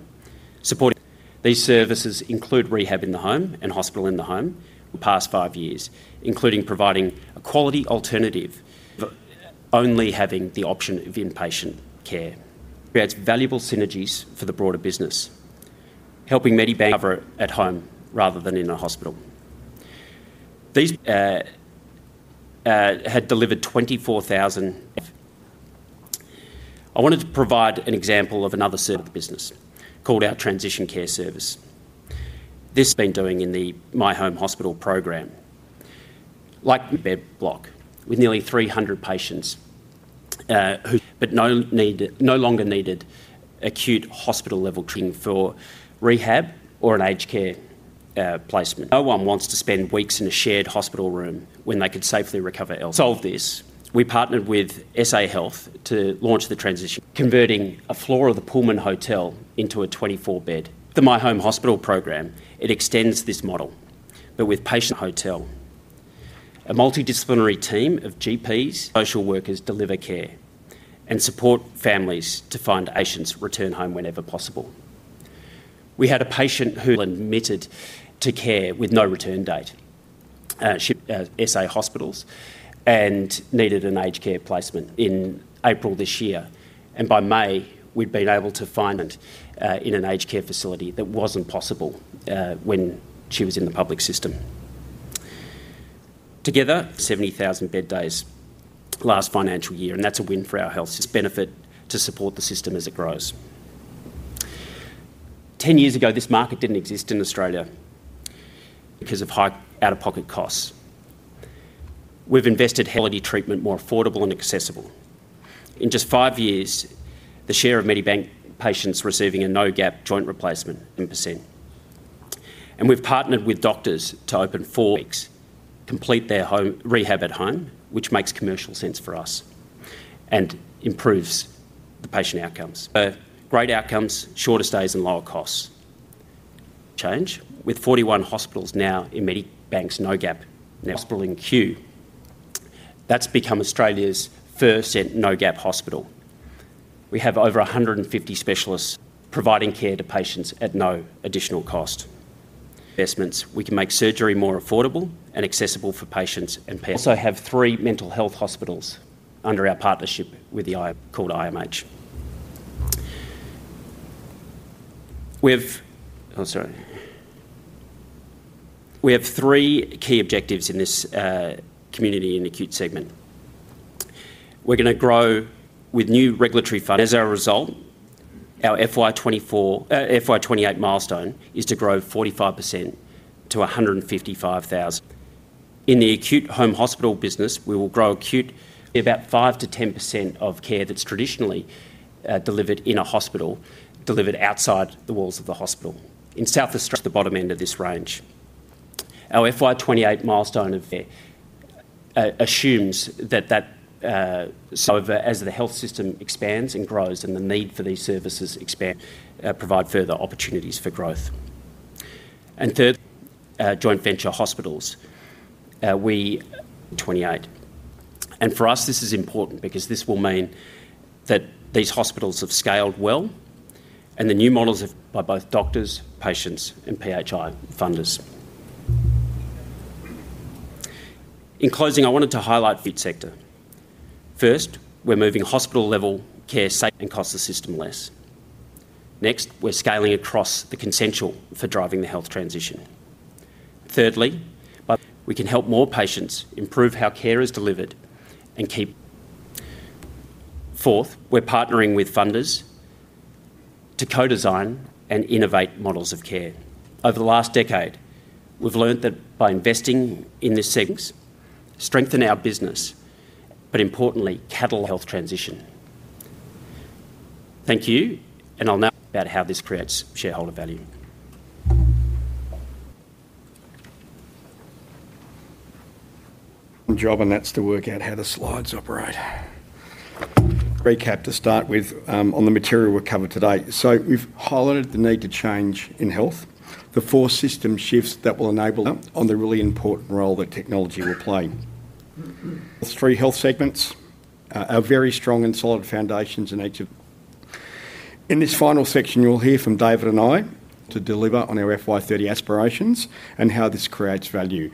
Speaker 7: supporting these services include rehab in the home and hospital in the home. We're past five years, including providing a quality alternative of only having the option of inpatient care. It creates valuable synergies for the broader business, helping Medibank cover at home rather than in a hospital. These had delivered 24,000 income. I wanted to provide an example of another service called our transition care service. This has been doing in the My Home Hospital Program. Like bed block with nearly 300 patients who no longer needed acute hospital-level treatment for rehab or an aged care placement. No one wants to spend weeks in a shared hospital room when they could safely recover elsewhere. To solve this, we partnered with SA Health to launch the transition, converting a floor of the Pullman Hotel into a 24-bed My Home Hospital Program. It extends this model, but with patients in the hotel. A multidisciplinary team of GPs, social workers deliver care and support families to find patients return home whenever possible. We had a patient who was admitted to care with no return date. She was in SA Hospitals and needed an aged care placement in April this year. By May, we'd been able to find a patient in an aged care facility that wasn't possible when she was in the public system. Together, 70,000 bed days last financial year. That's a win for our health benefit to support the system as it grows. 10 years ago, this market didn't exist in Australia because of high out-of-pocket costs. We've invested in quality treatment, more affordable and accessible. In just five years, the share of Medibank patients receiving a no-gap joint replacement has increased by 10%. We've partnered with doctors to open four clinics to complete their rehab at home, which makes commercial sense for us and improves the patient outcomes. Great outcomes, shorter stays, and lower costs. Change with 41 hospitals now in Medibank's no-gap network. A hospital in queue, that's become Australia's first no-gap hospital. We have over 150 specialists providing care to patients at no additional cost. Investments, we can make surgery more affordable and accessible for patients and parents. We also have three mental health hospitals under our partnership with the IMH called IMH. We have three key objectives in this community and acute segment. We're going to grow with new regulatory funding. As a result, our FY 2028 milestone is to grow 45% to 155,000. In the acute home hospital business, we will grow acute about 5-10% of care that's traditionally delivered in a hospital delivered outside the walls of the hospital. In South Australia, the bottom end of this range. Our FY 2028 milestone of care assumes that that, over as the health system expands and grows and the need for these services expands, provide further opportunities for growth. Thirdly, joint venture hospitals. We have FY 2028. For us, this is important because this will mean that these hospitals have scaled well and the new models have been by both doctors, patients, and PHI funders. In closing, I wanted to highlight the sector. First, we're moving hospital-level care safely and costs the system less. Next, we're scaling across the consensual for driving the health transition. Thirdly, by we can help more patients improve how care is delivered and keep. Fourth, we're partnering with funders to co-design and innovate models of care. Over the last decade, we've learned that by investing in this segment, we can strengthen our business, but importantly, catalog the health transition. Thank you. I'll now talk about how this creates shareholder value.
Speaker 8: I'm Job and that's to work out how the slides operate. Recap to start with on the material we'll cover today. We've highlighted the need to change in health, the four system shifts that will enable and the really important role that technology will play. Three health segments are very strong and solid foundations in each of them. In this final section, you'll hear from David and I to deliver on our FY 2030 aspirations and how this creates value.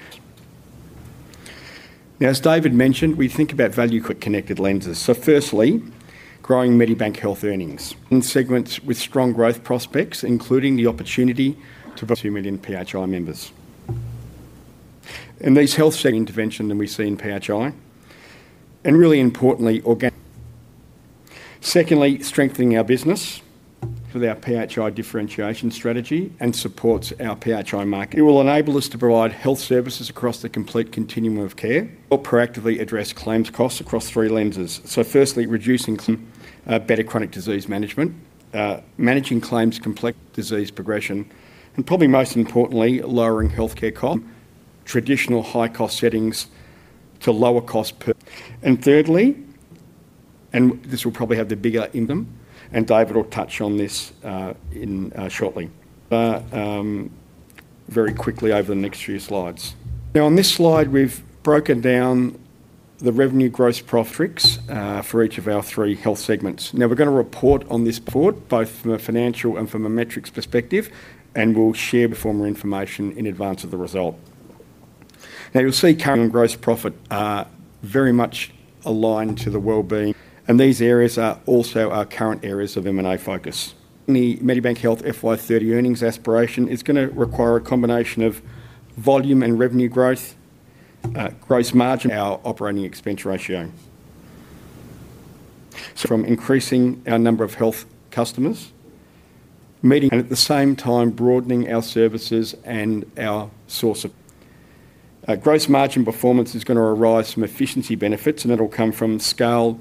Speaker 8: Now, as David mentioned, we think about value-connected lenses. Firstly, growing Medibank Health earnings. Segments with strong growth prospects, including the opportunity to build million PHI members. These health interventions that we see in PHI and really importantly, secondly, strengthening our business with our PHI differentiation strategy and supports our PHI market. It will enable us to provide health services across the complete continuum of care. We'll proactively address claims costs across three lenses. Firstly, reducing better chronic disease management, managing claims complex disease progression, and probably most importantly, lowering healthcare costs from traditional high-cost settings to lower costs. Thirdly, and this will probably have the bigger impact, and David will touch on this shortly. Very quickly over the next few slides. On this slide, we've broken down the revenue gross profits for each of our three health segments. We're going to report on this report both from a financial and from a metrics perspective, and we'll share the former information in advance of the result. You'll see current gross profit very much aligned to the well-being. These areas are also our current areas of M&A focus. The Medibank Health FY 2030 earnings aspiration is going to require a combination of volume and revenue growth, gross margin, and our operating expense ratio. From increasing our number of health customers, meeting and at the same time broadening our services and our source of gross margin performance is going to arise some efficiency benefits, and it'll come from scale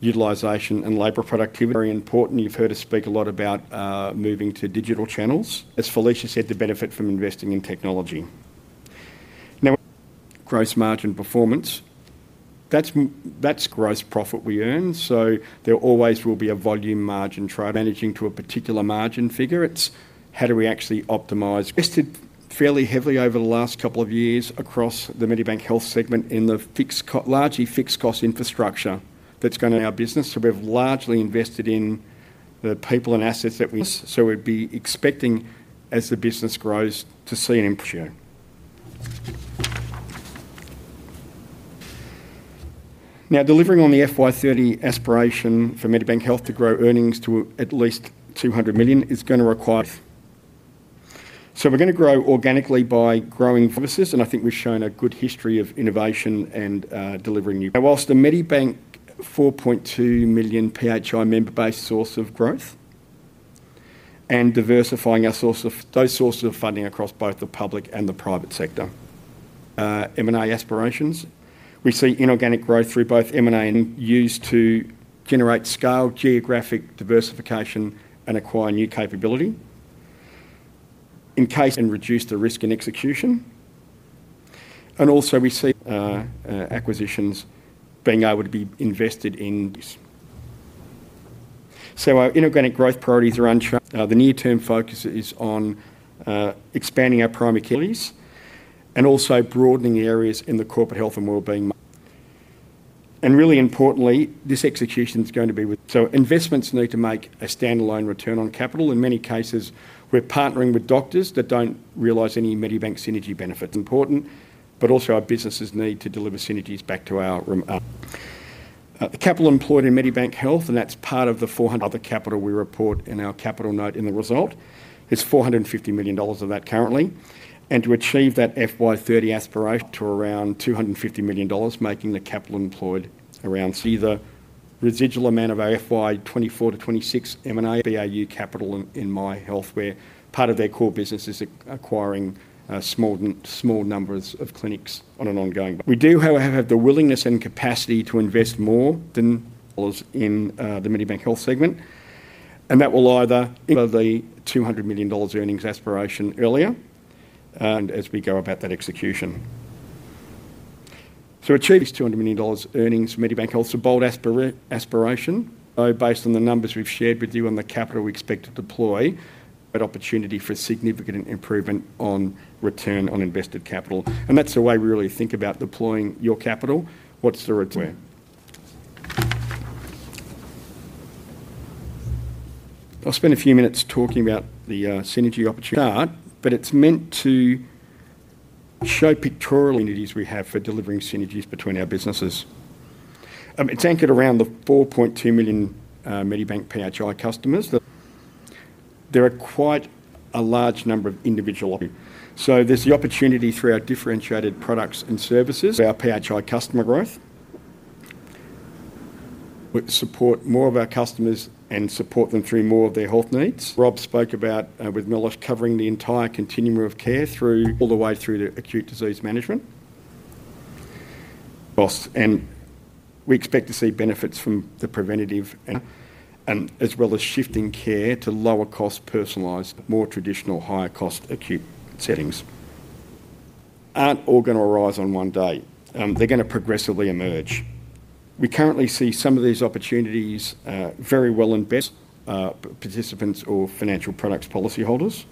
Speaker 8: utilization and labor productivity. Very important. You've heard us speak a lot about moving to digital channels. As Felicia said, the benefit from investing in technology. Now, gross margin performance, that's gross profit we earn. There always will be a volume margin try managing to a particular margin figure. It's how do we actually optimize? We've invested fairly heavily over the last couple of years across the Medibank Health segment in the fixed cost, largely fixed cost infrastructure that's going to be our business. We've largely invested in the people and assets that we use. We'd be expecting as the business grows to see an improvement. Delivering on the FY 2030 aspiration for Medibank Health to grow earnings to at least 200 million is going to require growth. We're going to grow organically by growing services, and I think we've shown a good history of innovation and delivering new services. Whilst the Medibank 4.2 million PHI member-based source of growth and diversifying our source of those sources of funding across both the public and the private sector. M&A aspirations. We see inorganic growth through both M&A and use to generate scale, geographic diversification, and acquire new capability. In case, reduce the risk in execution. We see acquisitions being able to be invested in this. Our inorganic growth priorities are unchanged. The near-term focus is on expanding our primary care and also broadening areas in the corporate health and well-being. Really importantly, this execution is going to be with investments need to make a standalone return on capital. In many cases, we're partnering with doctors that don't realize any Medibank synergy benefits. Important, but also our businesses need to deliver synergies back to our capital employed in Medibank Health, and that's part of the 400 million other capital we report in our capital note in the result. It's 450 million dollars of that currently. To achieve that FY 2030 aspiration to around 250 million dollars, making the capital employed around. The residual amount of our FY 2024 to 26 M&A BAU capital in Myhealth, where part of their core business is acquiring small numbers of clinics on an ongoing basis. We do have the willingness and capacity to invest more than in the Medibank Health segment. That will either the 200 million dollars earnings aspiration earlier, and as we go about that execution. Achieving these 200 million dollars earnings for Medibank Health is a bold aspiration. Based on the numbers we've shared with you on the capital we expect to deploy, we've got an opportunity for significant improvement on return on invested capital. That's the way we really think about deploying your capital. What's the return? I'll spend a few minutes talking about the synergy opportunity. It's meant to show pictorial opportunities we have for delivering synergies between our businesses. It's anchored around the 4.2 million Medibank PHI customers. There are quite a large number of individual opportunities. There's the opportunity through our differentiated products and services, our PHI customer growth. We support more of our customers and support them through more of their health needs. Rob spoke about with Milosh covering the entire continuum of care all the way through to acute disease management. We expect to see benefits from the preventative and as well as shifting care to lower cost, personalized, more traditional, higher cost acute settings. These aren't all going to arise on one day. They're going to progressively emerge. We currently see some of these opportunities very well in bed, participants, or financial products policyholders.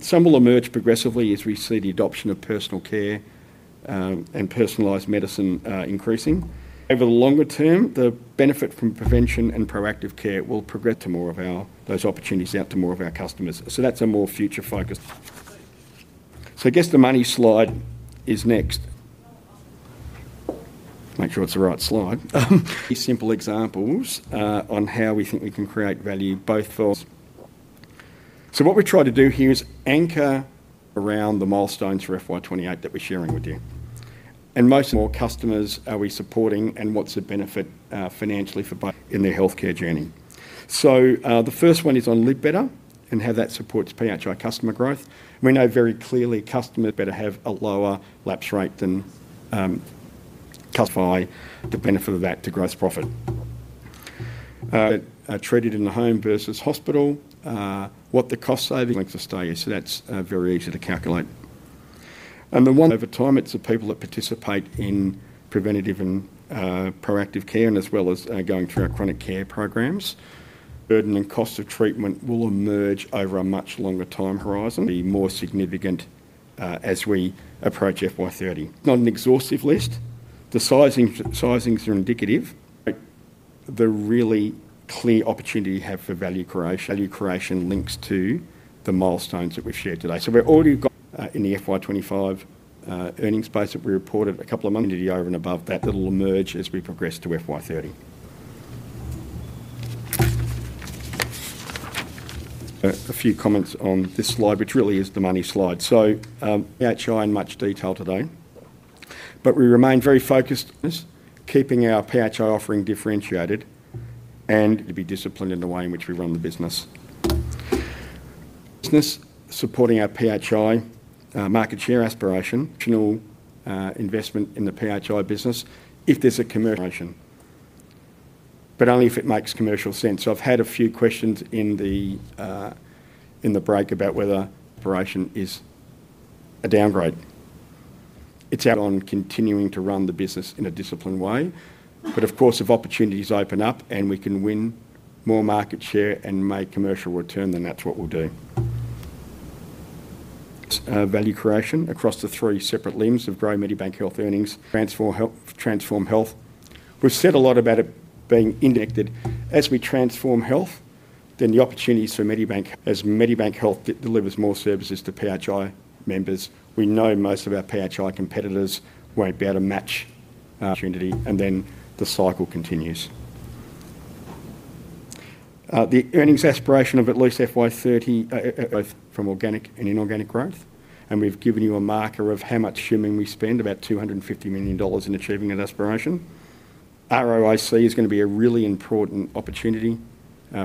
Speaker 8: Some will emerge progressively as we see the adoption of personal care and personalized medicine increasing. Over the longer term, the benefit from prevention and proactive care will progress to more of those opportunities out to more of our customers. That's a more future focus. I guess the money slide is next. Make sure it's the right slide. Simple examples on how we think we can create value both for. What we've tried to do here is anchor around the milestones for FY 2028 that we're sharing with you. Most of our customers are we supporting and what's the benefit financially for in their healthcare journey. The first one is on Live Better and how that supports PHI customer growth. We know very clearly customers better have a lower lapse rate than customers by the benefit of that to gross profit. Treated in the home versus hospital, what the cost savings is, length of stay. That's very easy to calculate. The one over time, it's the people that participate in preventative and proactive care and as well as going through our chronic care programs. Burden and cost of treatment will emerge over a much longer time horizon. Be more significant as we approach FY 2030. Not an exhaustive list. The sizings are indicative. The really clear opportunity we have for value creation links to the milestones that we've shared today. We've already got in the FY 2025 earnings space that we reported a couple of months ago and above that that will emerge as we progress to FY 2030. A few comments on this slide, which really is the money slide. PHI in much detail today. We remain very focused on keeping our PHI offering differentiated and to be disciplined in the way in which we run the business. Business supporting our PHI market share aspiration. Additional investment in the PHI business if there's a commercial aspiration, but only if it makes commercial sense. I've had a few questions in the break about whether aspiration is a downgrade. It's out on continuing to run the business in a disciplined way. Of course, if opportunities open up and we can win more market share and make commercial return, then that's what we'll do. Value creation across the three separate limbs of growing Medibank Health earnings. Transform health. We've said a lot about it being interconnected. As we transform health, then the opportunities for Medibank, as Medibank Health delivers more services to PHI members, we know most of our PHI competitors won't be able to match opportunity. The cycle continues. The earnings aspiration of at least FY 2030, both from organic and inorganic growth. We've given you a marker of how much assuming we spend about 250 million dollars in achieving an aspiration. ROIC is going to be a really important opportunity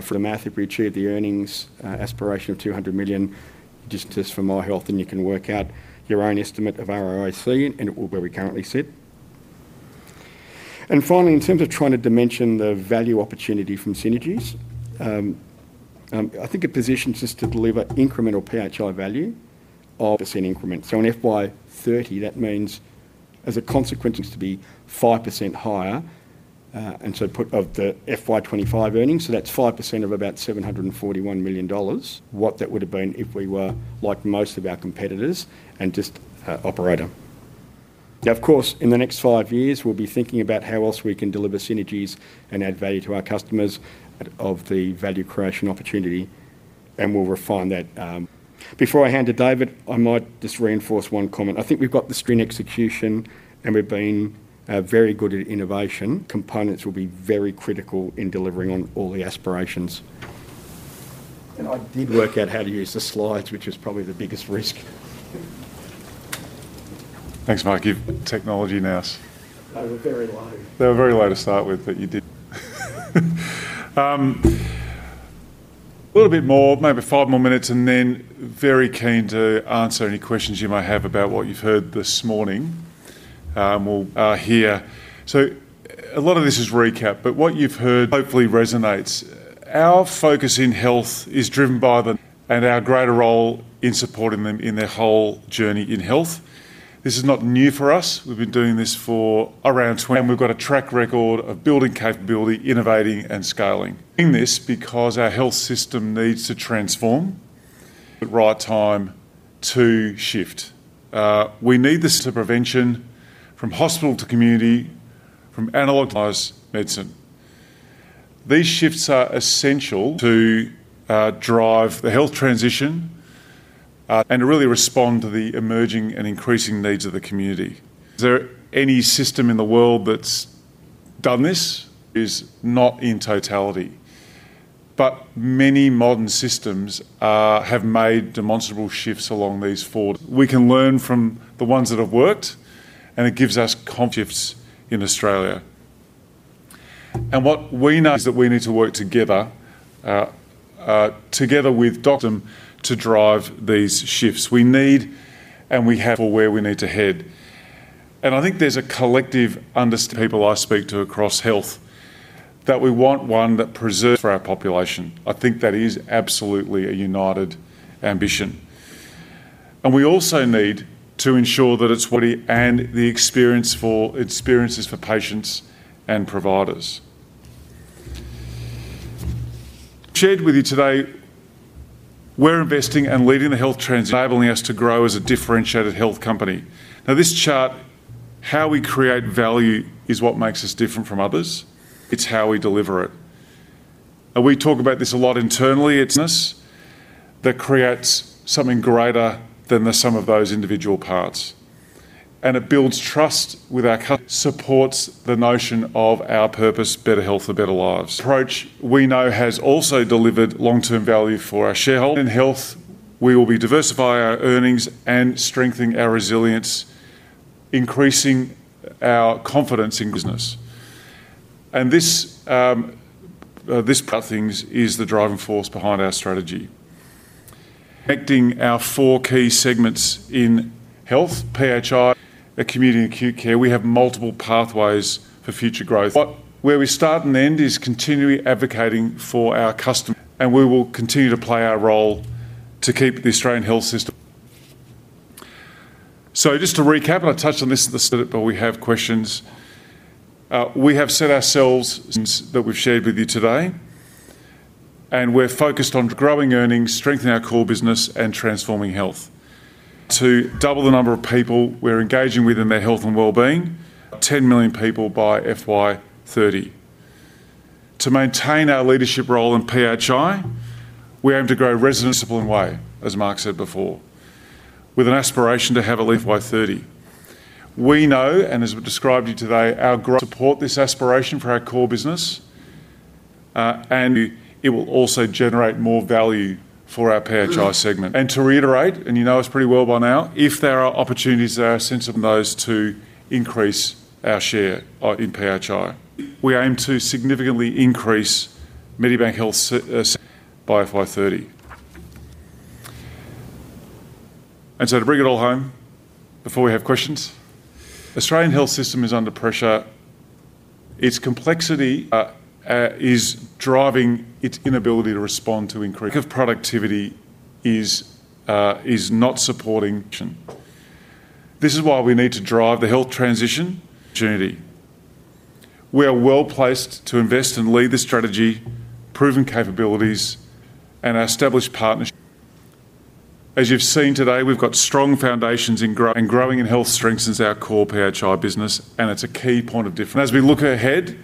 Speaker 8: for the math. If we achieve the earnings aspiration of 200 million, you just test for Myhealth and you can work out your own estimate of ROIC and where we currently sit. Finally, in terms of trying to dimension the value opportunity from synergies, I think a position is to deliver incremental PHI value of in increment. In FY 2030, that means as a consequence, to be 5% higher. Put of the FY 2025 earnings, so that's 5% of about 741 million dollars. What that would have been if we were like most of our competitors and just operator. In the next five years, we'll be thinking about how else we can deliver synergies and add value to our customers and of the value creation opportunity. We'll refine that. Before I hand to David, I might just reinforce one comment. I think we've got the string execution and we've been very good at innovation. Components will be very critical in delivering on all the aspirations. I did work out how to use the slides, which is probably the biggest risk.
Speaker 3: Thanks, Mike. You have technology now.
Speaker 8: They were very low.
Speaker 3: They were very low to start with, but you did. A little bit more, maybe five more minutes, and then very keen to answer any questions you may have about what you've heard this morning. A lot of this is recap, but what you've heard hopefully resonates. Our focus in health is driven by the and our greater role in supporting them in their whole journey in health. This is not new for us. We've been doing this for around 20 years. We've got a track record of building capability, innovating, and scaling. Doing this because our health system needs to transform at the right time to shift. We need the prevention from hospital to community, from analog device to medicine. These shifts are essential to drive the health transition and to really respond to the emerging and increasing needs of the community. Is there any system in the world that's done this? It is not in totality, but many modern systems have made demonstrable shifts along these four. We can learn from the ones that have worked, and it gives us shifts in Australia. What we know is that we need to work together, together with doctors to drive these shifts. We need and we have where we need to head. I think there's a collective understanding of people I speak to across health that we want one that preserves for our population. I think that is absolutely a united ambition. We also need to ensure that it's and the experience for experiences for patients and providers. Shared with you today, we're investing and leading the health transition, enabling us to grow as a differentiated health company. Now, this chart, how we create value is what makes us different from others. It's how we deliver it. We talk about this a lot internally. That creates something greater than the sum of those individual parts. It builds trust with our customers. It supports the notion of our purpose, better health and better lives. Approach we know has also delivered long-term value for our shareholders in health. We will be diversifying our earnings and strengthening our resilience, increasing our confidence in business. This is the driving force behind our strategy. Connecting our four key segments in health, PHI, the community, and acute care, we have multiple pathways for future growth. Where we start and end is continually advocating for our customers. We will continue to play our role to keep the Australian health system. Just to recap, I touched on this at the start, but we have questions. We have set ourselves that we've shared with you today. We're focused on growing earnings, strengthening our core business, and transforming health. To double the number of people we're engaging with in their health and well-being, 10 million people by FY 2030. To maintain our leadership role in PHI, we aim to grow residents in a disciplined way, as Mark said before, with an aspiration to have a leaf by 2030. We know, and as we described to you today, our support this aspiration for our core business. It will also generate more value for our PHI segment. To reiterate, you know us pretty well by now, if there are opportunities that are sensible, those to increase our share in PHI. We aim to significantly increase Medibank Health by FY 2030. To bring it all home, before we have questions, the Australian health system is under pressure. Its complexity is driving its inability to respond to increasing productivity is not supporting. This is why we need to drive the health transition. We are well placed to invest and lead the strategy, proven capabilities, and our established partners. As you've seen today, we've got strong foundations in growth, and growing in health strengthens our core PHI business, and it's a key point of difference. As we look ahead,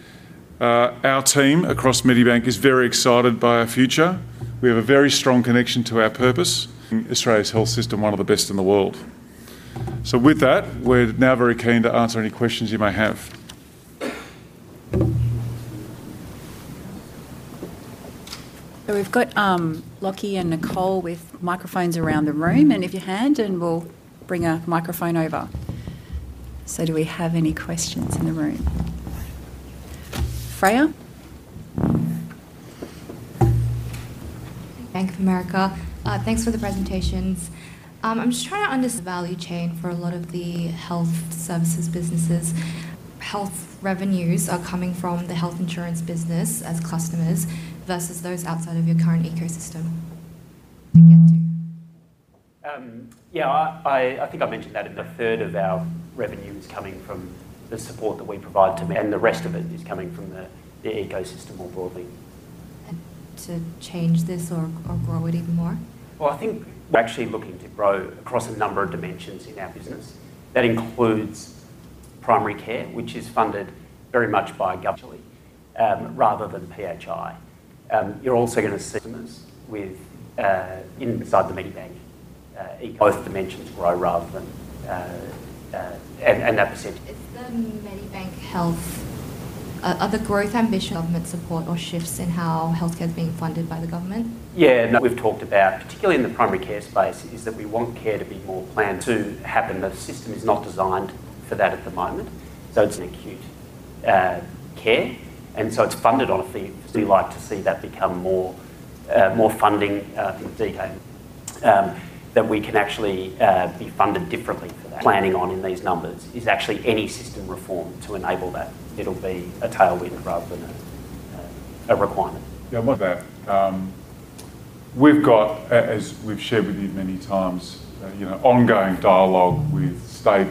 Speaker 3: our team across Medibank is very excited by our future. We have a very strong connection to our purpose, Australia's health system, one of the best in the world. With that, we're now very keen to answer any questions you may have.
Speaker 5: We've got Loki and Nicole with microphones around the room. If you hand, we'll bring a microphone over. Do we have any questions in the room? Freya.
Speaker 9: Bank of America, thanks for the presentations. I'm just trying to understand the value chain for a lot of the health services businesses. Health revenues are coming from the health insurance business as customers versus those outside of your current ecosystem. To get to?
Speaker 4: Yeah, I think I mentioned that a third of our revenue is coming from the support that we provide to, and the rest of it is coming from the ecosystem more broadly.
Speaker 9: To change this or grow it even more?
Speaker 4: I think we're actually looking to grow across a number of dimensions in our business. That includes primary care, which is funded very much by government rather than PHI. You're also going to see customers inside Medibank. Both dimensions grow rather than that percentage.
Speaker 9: Is the Medibank Health, are the growth ambitions of government support or shifts in how healthcare is being funded by the government?
Speaker 4: Yeah, we've talked about particularly in the primary care space that we want care to be more planned to happen. The system is not designed for that at the moment. It is an acute care, and it is funded on a fee. We like to see that become more funding in detail that we can actually be funded differently for that. Planning on in these numbers is actually any system reform to enable that. It'll be a tailwind rather than a requirement.
Speaker 3: Yeah, I must admit we've got, as we've shared with you many times, ongoing dialogue with state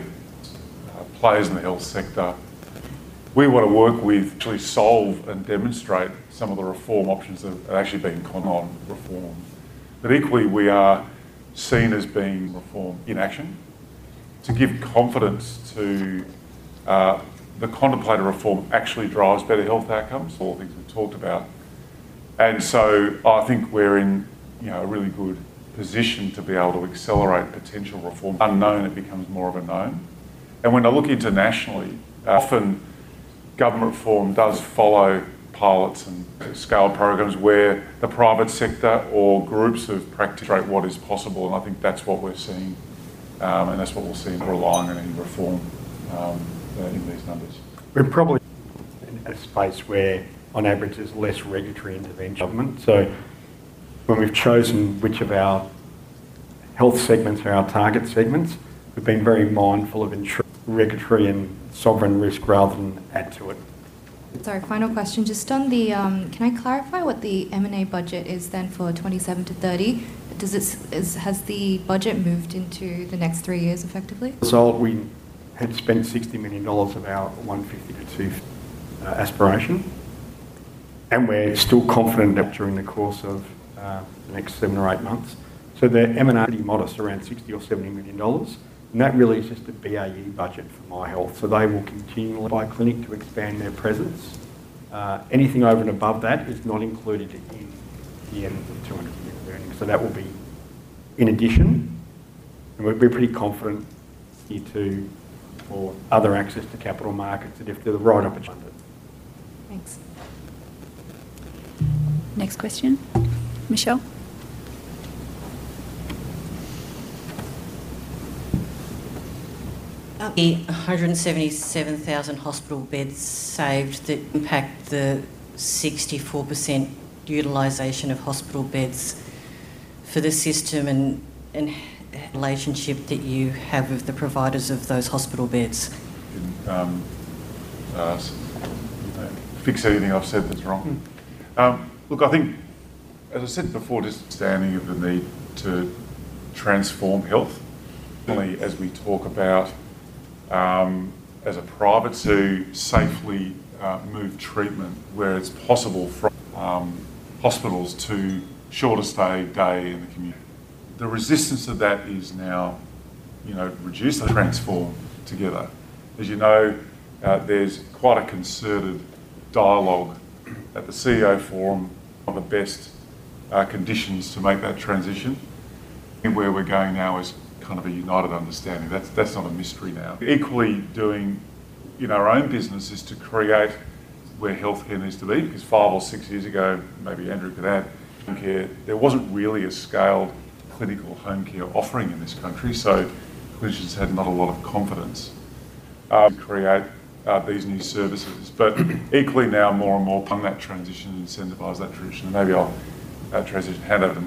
Speaker 3: players in the health sector. We want to work with to actually solve and demonstrate some of the reform options that are actually being put on reform. Equally, we are seen as being reform in action to give confidence to the contemplated reform actually drives better health outcomes, all the things we've talked about. I think we're in a really good position to be able to accelerate potential reform. Unknown, it becomes more of a known. When I look internationally, often, government reform does follow pilots and scale programs where the private sector or groups of practitioners create what is possible. I think that's what we're seeing, and that's what we'll see if we're relying on any reform in these numbers. We're probably in a space where, on average, there's less regulatory intervention in government. When we've chosen which of our health segments are our target segments, we've been very mindful of regulatory and sovereign risk rather than add to it.
Speaker 9: Sorry, final question. Just on the, can I clarify what the M&A budget is then for 2027 to 2030? Does it, has the budget moved into the next three years effectively?
Speaker 3: Result, we had spent 60 million dollars of our 150 million-250 million aspiration. We're still confident that during the course of the next seven or eight months, the M&A is pretty modest, around 60 million or 70 million dollars. That really is just a base budget for Myhealth, so they will continue by clinic to expand their presence. Anything over and above that is not included in the M&A of 200 million earnings. That will be in addition. We're pretty confident we need to for other access to capital markets to give the right opportunity.
Speaker 9: Thanks.
Speaker 5: Next question, Michelle.
Speaker 10: The 177,000 hospital beds saved that impact the 64% utilization of hospital beds for the system, and the relationship that you have with the providers of those hospital beds.
Speaker 3: I think, as I said before, just understanding of the need to transform health. Certainly, as we talk about as a private to safely move treatment where it's possible from hospitals to shorter stay day in the community, the resistance to that is now reduced. Transform together. As you know, there's quite a concerted dialogue at the CEO forum. The best conditions to make that transition. Where we're going now is kind of a united understanding. That's not a mystery now. Equally, doing in our own business is to create where healthcare needs to be because five or six years ago, maybe Andrew could add, there wasn't really a scaled clinical home care offering in this country. Clinicians had not a lot of confidence to create these new services. Equally, now more and more on that transition and incentivize that tradition. Maybe I'll transition hand over to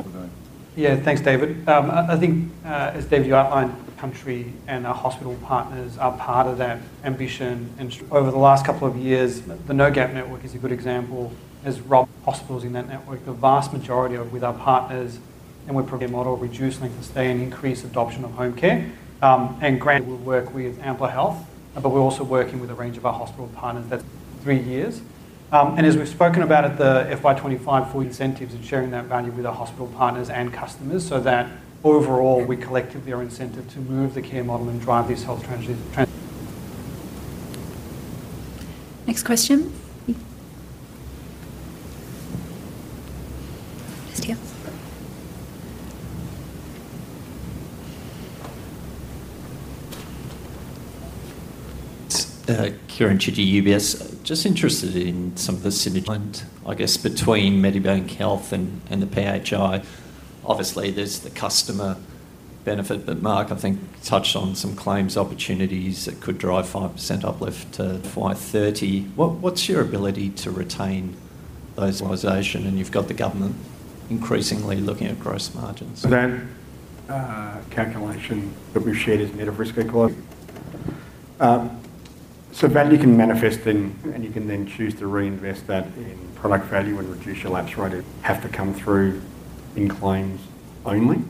Speaker 3: what we're doing.
Speaker 6: Yeah, thanks, David. I think, as David, you outlined, the country and our hospital partners are part of that ambition. Over the last couple of years, the no-gap network is a good example. As Rob, hospitals in that network, the vast majority are with our partners. We're a model to reduce length of stay and increase adoption of home care. Granted, we'll work with Amplar Health, but we're also working with a range of our hospital partners for three years. As we've spoken about at the FY 2025 for incentives and sharing that value with our hospital partners and customers so that overall we collectively are incented to move the care model and drive this health transition.
Speaker 5: Next question.
Speaker 11: It's Kieren Chidgey, UBS. Just interested in some of the synergies, I guess, between Medibank Health and the PHI. Obviously, there's the customer benefit, but Mark, I think, touched on some claims opportunities that could drive 5% uplift to FY 2030. What's your ability to retain those? You've got the government increasingly looking at gross margins.
Speaker 12: A calculation that we've shared is net of risk equality. Value can manifest in, and you can then choose to reinvest that in product value and reduce your lapse rate. It does not have to come through in claims only.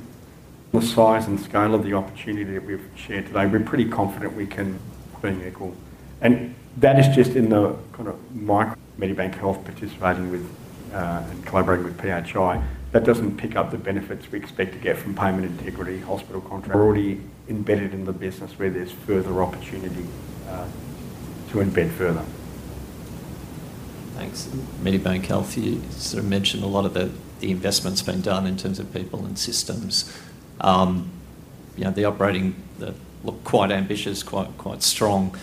Speaker 12: The size and scale of the opportunity that we've shared today, we're pretty confident we can put in equal. That is just in the kind of micro Medibank Health participating with and collaborating with PHI. That doesn't pick up the benefits we expect to get from payment integrity, hospital contracts. We're already embedded in the business where there's further opportunity to embed further.
Speaker 11: Thanks. Medibank Health, you sort of mentioned a lot of the investments being done in terms of people and systems. The operating look quite ambitious, quite strong.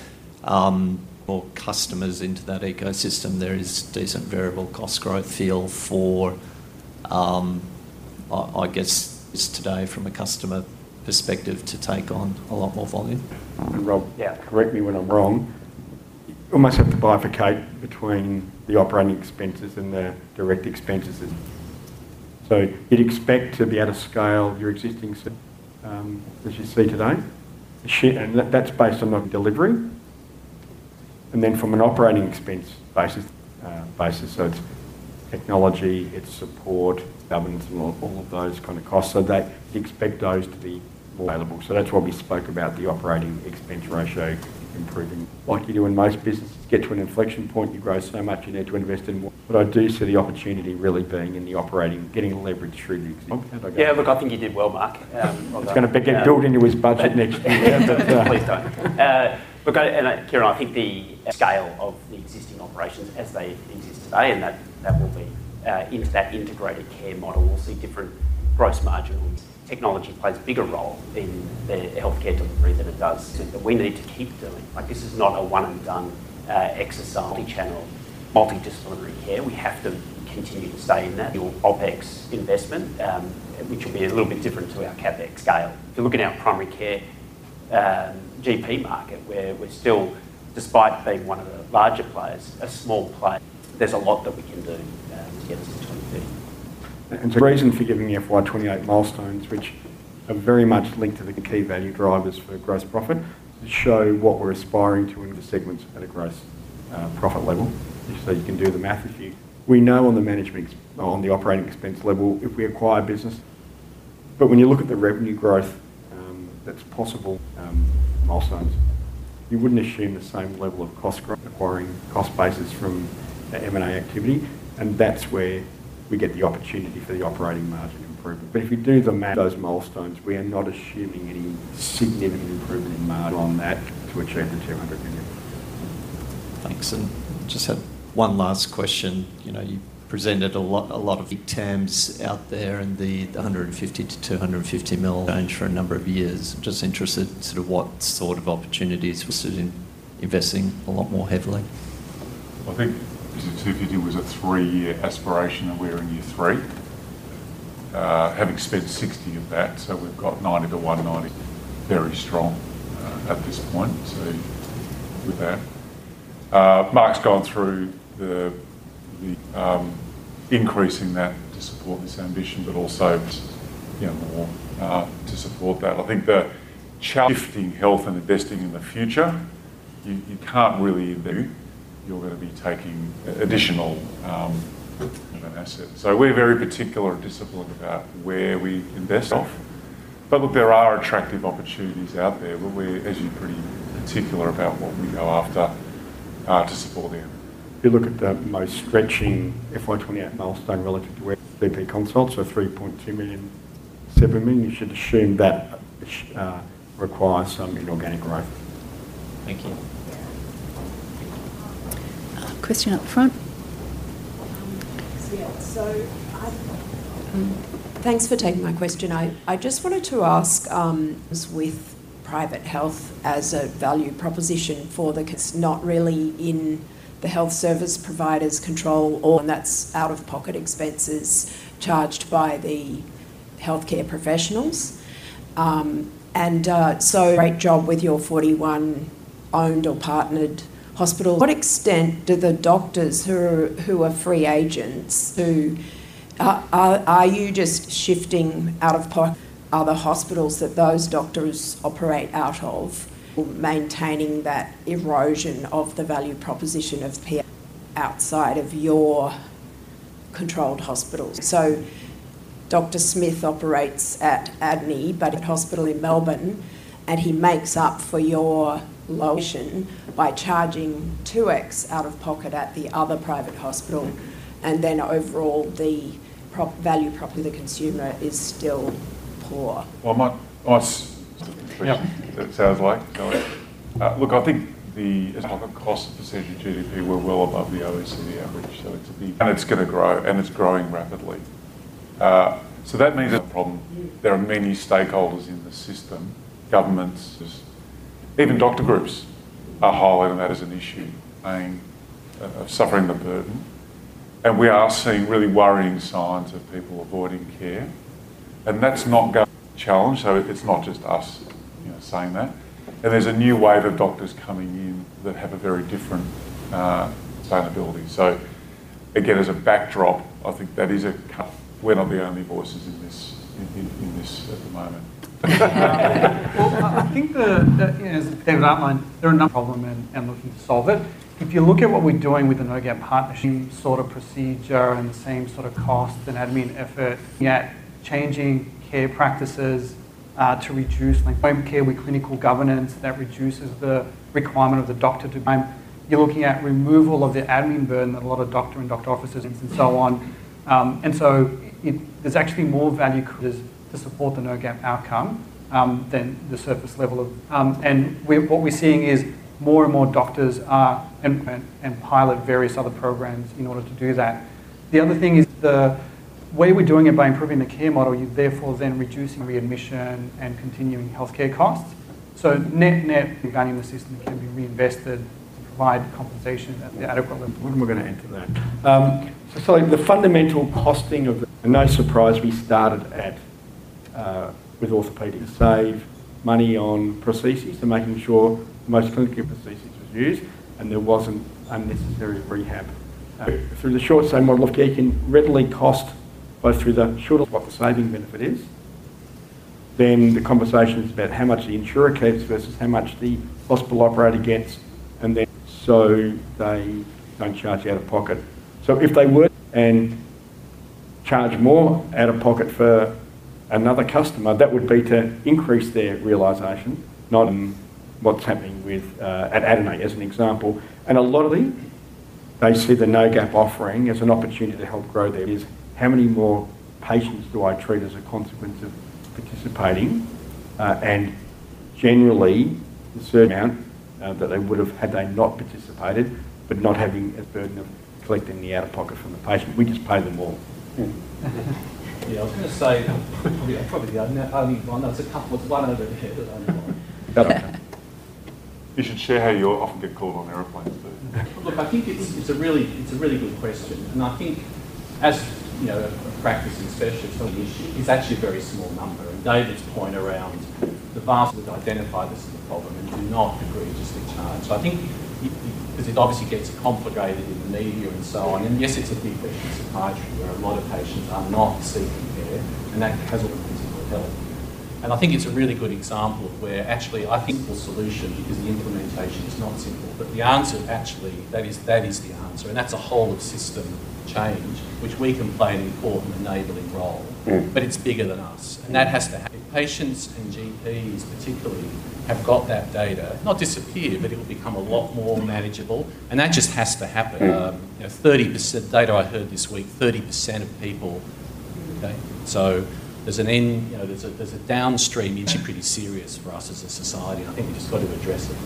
Speaker 11: More customers into that ecosystem, there is decent variable cost growth feel for, I guess, today from a customer perspective to take on a lot more volume.
Speaker 12: Rob, correct me when I'm wrong. You almost have to bifurcate between the operating expenses and the direct expenses. You'd expect to be able to scale your existing system, as you see today. That's based on delivery. From an operating expense basis, it's technology, it's support, governance, and all of those kind of costs. You expect those to be more available. That's why we spoke about the operating expense ratio improving. Like you do in most businesses, get to an inflection point, you grow so much, you need to invest in more. I do see the opportunity really being in the operating, getting leverage through the.
Speaker 7: Yeah, look, I think you did well, Mark.
Speaker 3: It's going to get built into his budget next year.
Speaker 12: Please don't.
Speaker 7: Look, Kieran, I think the scale of the existing operations as they exist today, and that will be, in that integrated care model, we'll see different gross marginals. Technology plays a bigger role in the healthcare delivery than it does. That we need to keep doing. This is not a one-and-done exercise, multi-channel, multidisciplinary care. We have to continue to stay in that. OpEx investment, which will be a little bit different to our CapEx scale. If you look at our primary care GP market, where we're still, despite being one of the larger players, a small player. There's a lot that we can do together since 2030.
Speaker 3: The reason for giving the FY 2028 milestones, which are very much linked to the key value drivers for gross profit, is to show what we're aspiring to. Segments at a gross profit level, so you can do the math. We know on the management, on the operating expense level, if we acquire business. When you look at the revenue growth that's possible with milestones, you wouldn't assume the same level of cost growth acquiring cost basis from M&A activity. That is where we get the opportunity for the operating margin improvement. If you do those milestones, we are not assuming any significant improvement in margin on that to achieve the 200 million.
Speaker 11: Thanks. I just had one last question. You know, you presented a lot of terms out there in the 150 million-250 million range for a number of years. I'm just interested in what sort of opportunities you're interested in investing a lot more heavily.
Speaker 3: I think, as you said, it was a three-year aspiration and we're in year three, having spent 60 million of that. We've got 90 million-190 million, very strong at this point. Mark's gone through increasing that to support this ambition, but also more to support that. I think the challenge shifting health and investing in the future, you can't really. You're going to be taking additional assets. We're very particular and disciplined about where we invest. There are attractive opportunities out there. We're pretty particular about what we go after to support the. If you look at the most stretching FY 2028 milestone relative to BP consult, so 3.2 million, 7 million, you should assume that requires some inorganic growth.
Speaker 11: Thank you.
Speaker 5: Question up front.
Speaker 13: Thanks for taking my question. I just wanted to ask with private health as a value proposition for the consumer. It's not really in the health service providers' control, and that's out-of-pocket expenses charged by the healthcare professionals. Great job with your 41 owned or partnered hospitals. To what extent do the doctors who are free agents just shift out-of-pocket costs? Are the hospitals that those doctors operate out of maintaining that erosion of the value proposition of private health insurance outside of your controlled hospitals? For example, Dr. Smith operates at a Medibank hospital in Melbourne, and he makes up for your location by charging 2x out-of-pocket at the other private hospital. Overall, the value proposition for the consumer is still poor.
Speaker 3: I'll just. Yeah, it sounds like. I think the out-of-pocket costs for CGGDP were well above the OECD average. It's a big issue, and it's going to grow, and it's growing rapidly. That means a problem. There are many stakeholders in the system. Governments and even doctor groups are highlighting that as an issue. Pain of suffering the burden. We are seeing really worrying signs of people avoiding care. That's not a challenge. It's not just us saying that. There's a new wave of doctors coming in that have a very different sustainability. As a backdrop, I think that is a, we're not the only voices in this at the moment.
Speaker 7: I think that, you know, as David Koczkar outlined, there is a problem and looking to solve it. If you look at what we're doing with the no-gap partnership, same sort of procedure and the same sort of cost and admin effort, yet changing care practices to reduce length of care with clinical governance that reduces the requirement of the doctor too. Time, you're looking at removal of the admin burden that a lot of doctors and doctor offices and so on. There's actually more value to support the no-gap outcome than the surface level of. What we're seeing is more and more doctors are and pilot various other programs in order to do that. The other thing is the way we're doing it by improving the care model, you therefore then reduce readmission and continuing healthcare costs. Net net money in the system that can be reinvested to provide compensation at the adequate level.
Speaker 3: When we're going to enter that. The fundamental costing of, and no surprise, we started with orthopedics. Save money on prostheses and making sure the most clinical prosthesis was used. There wasn't unnecessary rehab. Through the short stay model, you can readily cost both through the short what the saving benefit is. The conversation is about how much the insurer gets versus how much the hospital operator gets. They don't charge out-of-pocket. If they were to charge more out-of-pocket for another customer, that would be to increase their realization, not what's happening with at Medibank, as an example. A lot of them see the no-gap offering as an opportunity to help grow their business. How many more patients do I treat as a consequence of participating? Generally, the surge amount that they would have had they not participated, but not having the burden of collecting the out-of-pocket from the patient. We just pay them all.
Speaker 4: Yeah, I was going to say that probably the only one. There's a couple. There's one over here, the only one.
Speaker 12: You should share how you often get called on airplanes, too.
Speaker 4: Look, I think it's a really good question. I think as a practice and especially an issue, it's actually a very small number. David's point around the vast would identify this as a problem and do not agree to just get charged. I think because it obviously gets complicated in the media and so on. Yes, it's a big patient psychiatry where a lot of patients are not seeking care. That has all the reasons that we're telling you. I think it's a really good example of where actually I think a simple solution, because the implementation is not simple, but the answer is actually that is the answer. That's a whole of system change which we can play an important enabling role. It's bigger than us. That has to happen. Patients and GPs particularly have got that data, not disappear, but it will become a lot more manageable. That just has to happen. 30% of data I heard this week, 30% of people. There's an end, there's a downstream issue pretty serious for us as a society. I think we've just got to address it.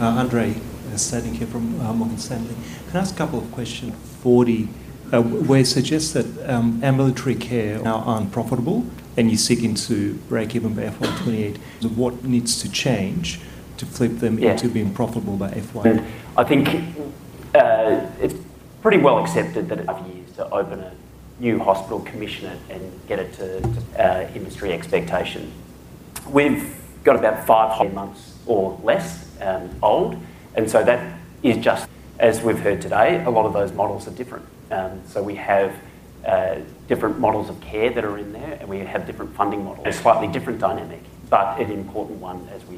Speaker 14: Andrew is standing here from Morgan Stanley. Can I ask a couple of questions? Forty, where it suggests that ambulatory care now aren't profitable and you seek to break even by FY 2028. What needs to change to flip them into being profitable by FY?
Speaker 4: I think it's pretty well accepted that it takes years to open a new hospital, commission it, and get it to industry expectation. We've got about 500 months or less old, and that is just, as we've heard today, a lot of those models are different. We have different models of care that are in there, and we have different funding models and a slightly different dynamic, but an important one as we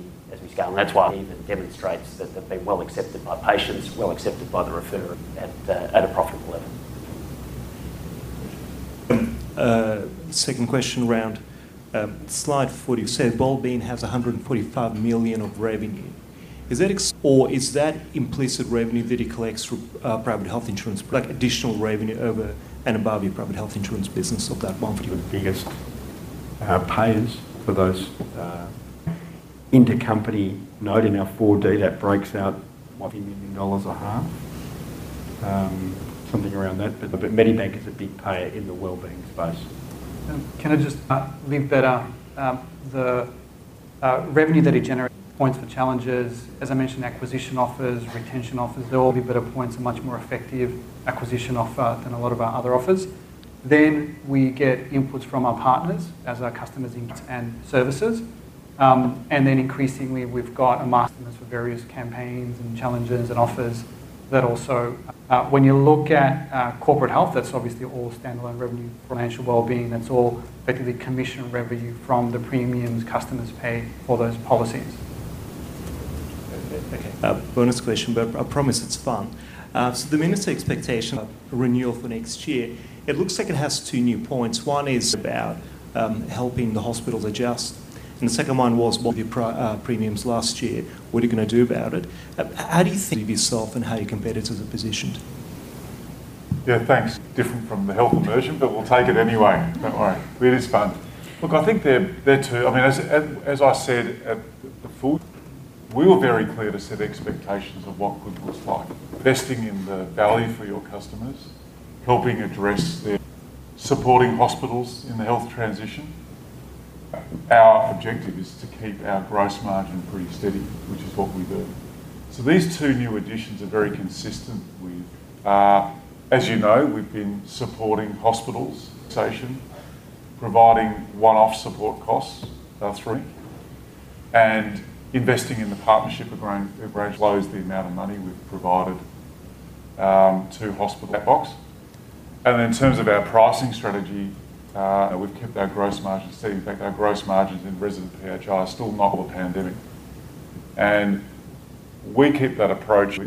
Speaker 4: scale. That even demonstrates that they're well accepted by patients, well accepted by the referrer at a profitable level.
Speaker 14: Second question round. Slide 40. It says Medibank Health has 145 million of revenue. Is that, or is that implicit revenue that it collects through private health insurance, like additional revenue over and above your private health insurance business of that 150 million?
Speaker 3: The biggest payers for those intercompany not enough for Medibank that breaks out. 1.5 million dollars, something around that. Medibank is a big player in the well-being space.
Speaker 6: Can I just leave better? The revenue that he generates points for challenges. As I mentioned, acquisition offers, retention offers, they're all better points and much more effective acquisition offer than a lot of our other offers. We get inputs from our partners as our customers and services. Increasingly, we've got a master list for various campaigns and challenges and offers that also. When you look at corporate health, that's obviously all standalone revenue for financial well-being. That's all effectively commission revenue from the premiums customers pay for those policies.
Speaker 14: Okay. Bonus question, but I promise it's fun. The ministry expectation renewal for next year looks like it has two new points. One is about helping the hospitals adjust, and the second one was your premiums last year. What are you going to do about it? How do you think of yourself and how your competitors are positioned?
Speaker 3: Different from the health immersion, but we'll take it anyway. Don't worry, it is fun. Look, I think they're two. As I said at the full, we were very clear to set expectations of what good looks like. Investing in the value for your customers, helping address their supporting hospitals in the health transition. Our objective is to keep our gross margin pretty steady, which is what we do. These two new additions are very consistent with, as you know, we've been supporting hospitals' organization, providing one-off support costs through and investing in the partnership of a branch. Close the amount of money we've provided to hospitals. That box. In terms of our pricing strategy, we've kept our gross margins steady. In fact, our gross margins in resident PHI are still not a pandemic. We keep that approach.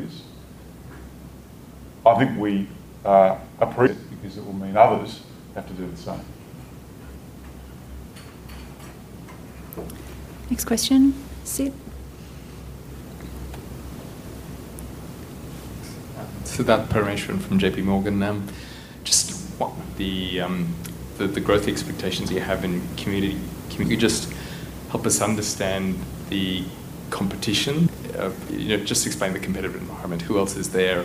Speaker 3: I think we appreciate it because it will mean others have to do the same.
Speaker 5: Next question, Sid.
Speaker 15: That parent from JPMorgan, just what the growth expectations you have in the community. Can you just help us understand the competition? You know, just explain the competitive environment. Who else is there?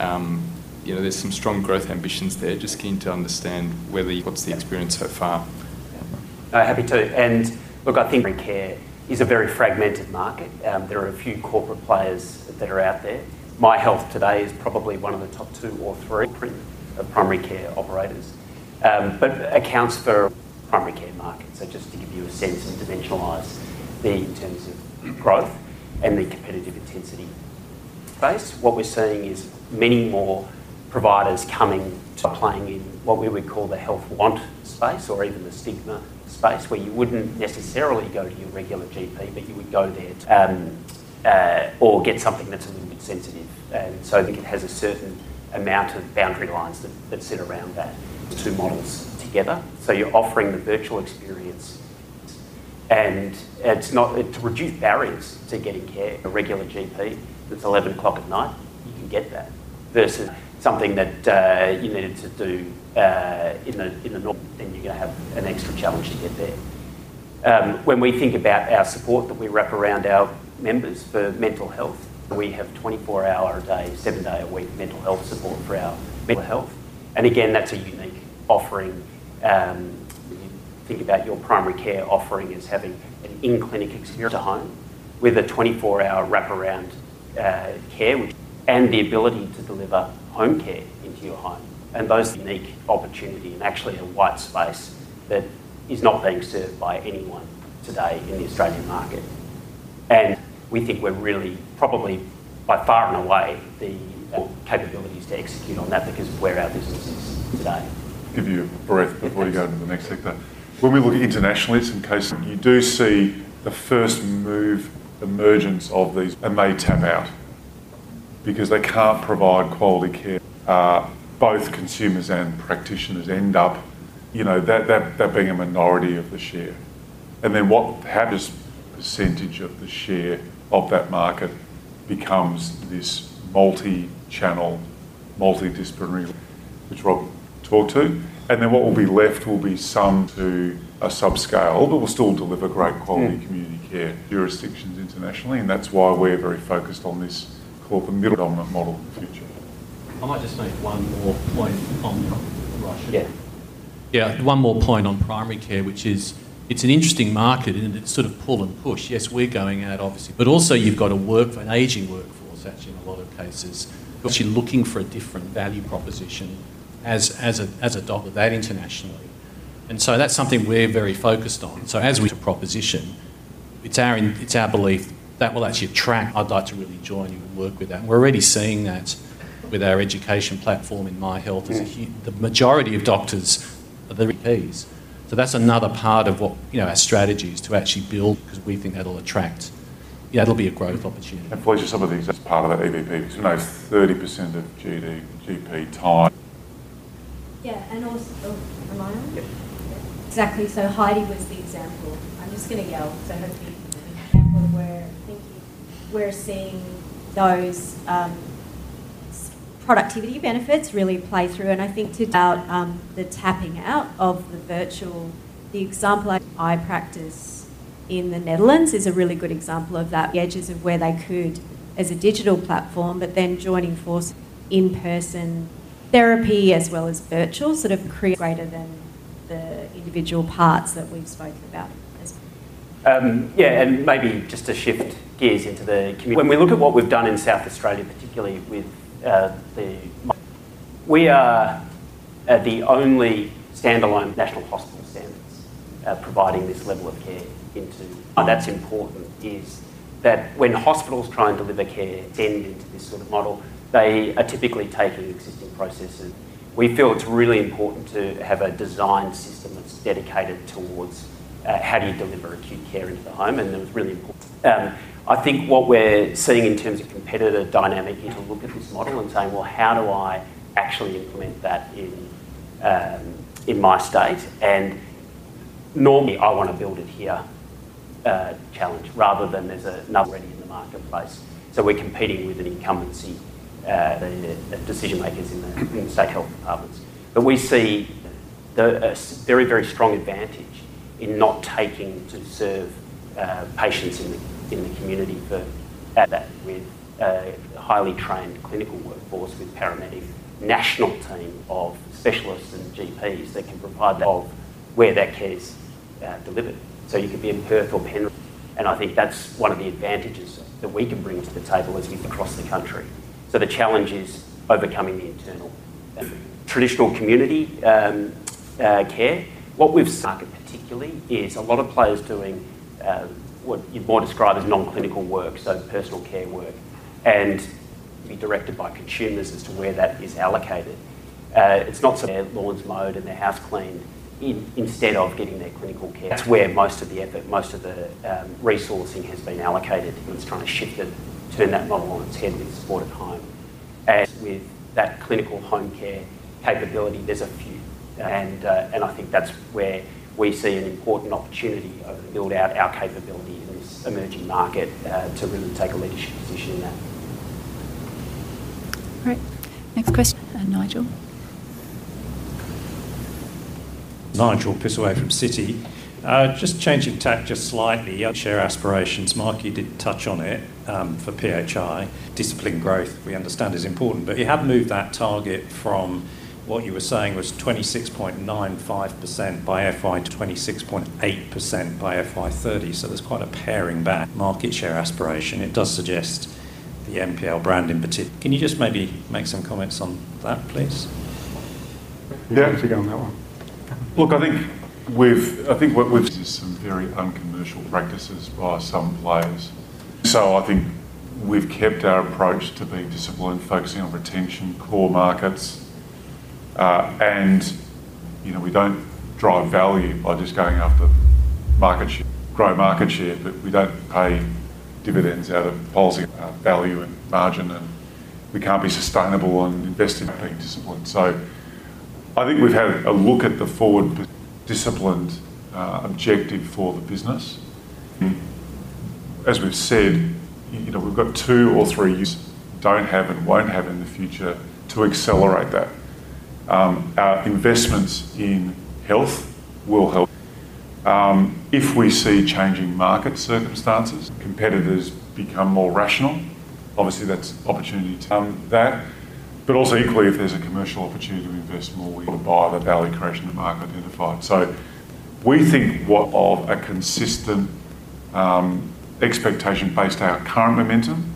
Speaker 15: You know, there's some strong growth ambitions there. Just keen to understand whether you've got the experience so far.
Speaker 7: Yeah. Happy to. I think primary care is a very fragmented market. There are a few corporate players that are out there. Myhealth today is probably one of the top two or three primary care operators, but accounts for the primary care market. Just to give you a sense and dimensionalize in terms of growth and the competitive intensity base, what we're seeing is many more providers coming to play in what we would call the health want space or even the stigma space where you wouldn't necessarily go to your regular GP, but you would go there to get something that's a little bit sensitive. I think it has a certain amount of boundary lines that sit around that. Two models together, so you're offering the virtual experience. It's not to reduce barriers to getting care. A regular GP that's 11:00 P.M., you can get that versus something that you needed to do in the day. You're going to have an extra challenge to get there. When we think about our support that we wrap around our members for mental health, we have 24-hour a day, seven-day a week mental health support for our mental health. That's a unique offering. You think about your primary care offering as having an in-clinic experience to home with a 24-hour wraparound care and the ability to deliver home care into your home. Those are unique opportunities and actually a white space that is not being served by anyone today in the Australian market. We think we're really probably by far and away the capabilities to execute on that because of where our business is today.
Speaker 3: Give you a breath before you go to the next sector. When we look internationally, it's in case. You do see the first move emergence of these. They tap out because they can't provide quality care. Both consumers and practitioners end up, you know, that being a minority of the share. What happens is a percentage of the share of that market becomes this multi-channel, multidisciplinary, which Rob talked to. What will be left will be some to a subscale that will still deliver great quality community care jurisdictions internationally. That's why we're very focused on this corporate middle dominant model in the future.
Speaker 4: I might just make one more point on primary care, which is it's an interesting market in its sort of pull and push. Yes, we're going at it obviously, but also you've got to work for an aging workforce, actually, in a lot of cases who are actually looking for a different value proposition as a doctor internationally. That's something we're very focused on. As a proposition, it's our belief that will actually attract. I'd like to really join you and work with that. We're already seeing that with our education platform in Myhealth. The majority of doctors are the GPs. That's another part of what our strategy is to actually build because we think that'll attract. It'll be a growth opportunity.
Speaker 3: Pleasure, some of these part of that AVP. Who knows 30% of GP time.
Speaker 5: Yeah, also from my own.
Speaker 3: Yeah.
Speaker 5: Exactly. Heidi was the example. I'm just going to yell because I hope you can hear me. Where I think we're seeing those productivity benefits really play through. I think about the tapping out of the virtual, the example I practice in the Netherlands is a really good example of that, edges of where they could as a digital platform, but then joining forces in-person therapy as well as virtual sort of create greater than the individual parts that we've spoken about.
Speaker 7: Yeah, and maybe just to shift gears into the community. When we look at what we've done in South Australia, particularly with the Myhealth, we are the only standalone national hospital standards providing this level of care. That's important because when hospitals try and deliver care, send into this sort of model, they are typically taking existing processes. We feel it's really important to have a design system that's dedicated. Towards How do you deliver acute care into the home? It was really important. I think what we're seeing in terms of competitor dynamic is to look at this model and say, "How do I actually implement that in my state?" Normally, I want to build it here. The challenge, rather than there's another already in the marketplace. We're competing with an incumbency, decision-makers in the state health departments. We see a very, very strong advantage in not taking to serve patients in the community for that. With a highly trained clinical workforce, with a paramedic national team of specialists and GPs that can provide all where that care is delivered. You could be in Perth or Penrose. I think that's one of the advantages that we can bring to the table as we cross the country. The challenge is overcoming the internal traditional community care. What we've seen in the market particularly is a lot of players doing what you'd more describe as non-clinical work, so personal care work, and be directed by consumers as to where that is allocated. It's not so much their lawn's mowed and their house cleaned instead of getting their clinical care. That's where most of the effort, most of the resourcing has been allocated. It's trying to shift and turn that model on its head with the support of home. With that clinical home care capability, there's a few. I think that's where we see an important opportunity to build out our capability in this emerging market to really take a leadership position in that.
Speaker 16: Great. Next question, Nigel.
Speaker 17: Nigel Pittaway from Citi. Just changing tack just slightly. Share aspirations. Mark, you did touch on it for PHI. Discipline growth, we understand, is important. You have moved that target from what you were saying was 26.95% by FY to 26.8% by FY 2030. There's quite a paring back. Market share aspiration. It does suggest the Medibank brand in particular. Can you just maybe make some comments on that, please?
Speaker 12: Yeah, I can go on that one. I think what we've seen is some very uncommercial practices by some players. I think we've kept our approach to being disciplined, focusing on retention, core markets. You know we don't drive value by just going after market share. Grow market share, but we don't pay dividends out of policy value and margin. We can't be sustainable and invest in being disciplined. I think we've had a look at the forward disciplined objective for the business. As we've said, you know we've got two or three that we don't have and won't have in the future to accelerate that. Our investments in health will help. If we see changing market circumstances, competitors become more rational. Obviously, that's opportunity to that. Also equally, if there's a commercial opportunity to invest more, we want to buy the value creation the market identified. We think of a consistent expectation based on our current momentum.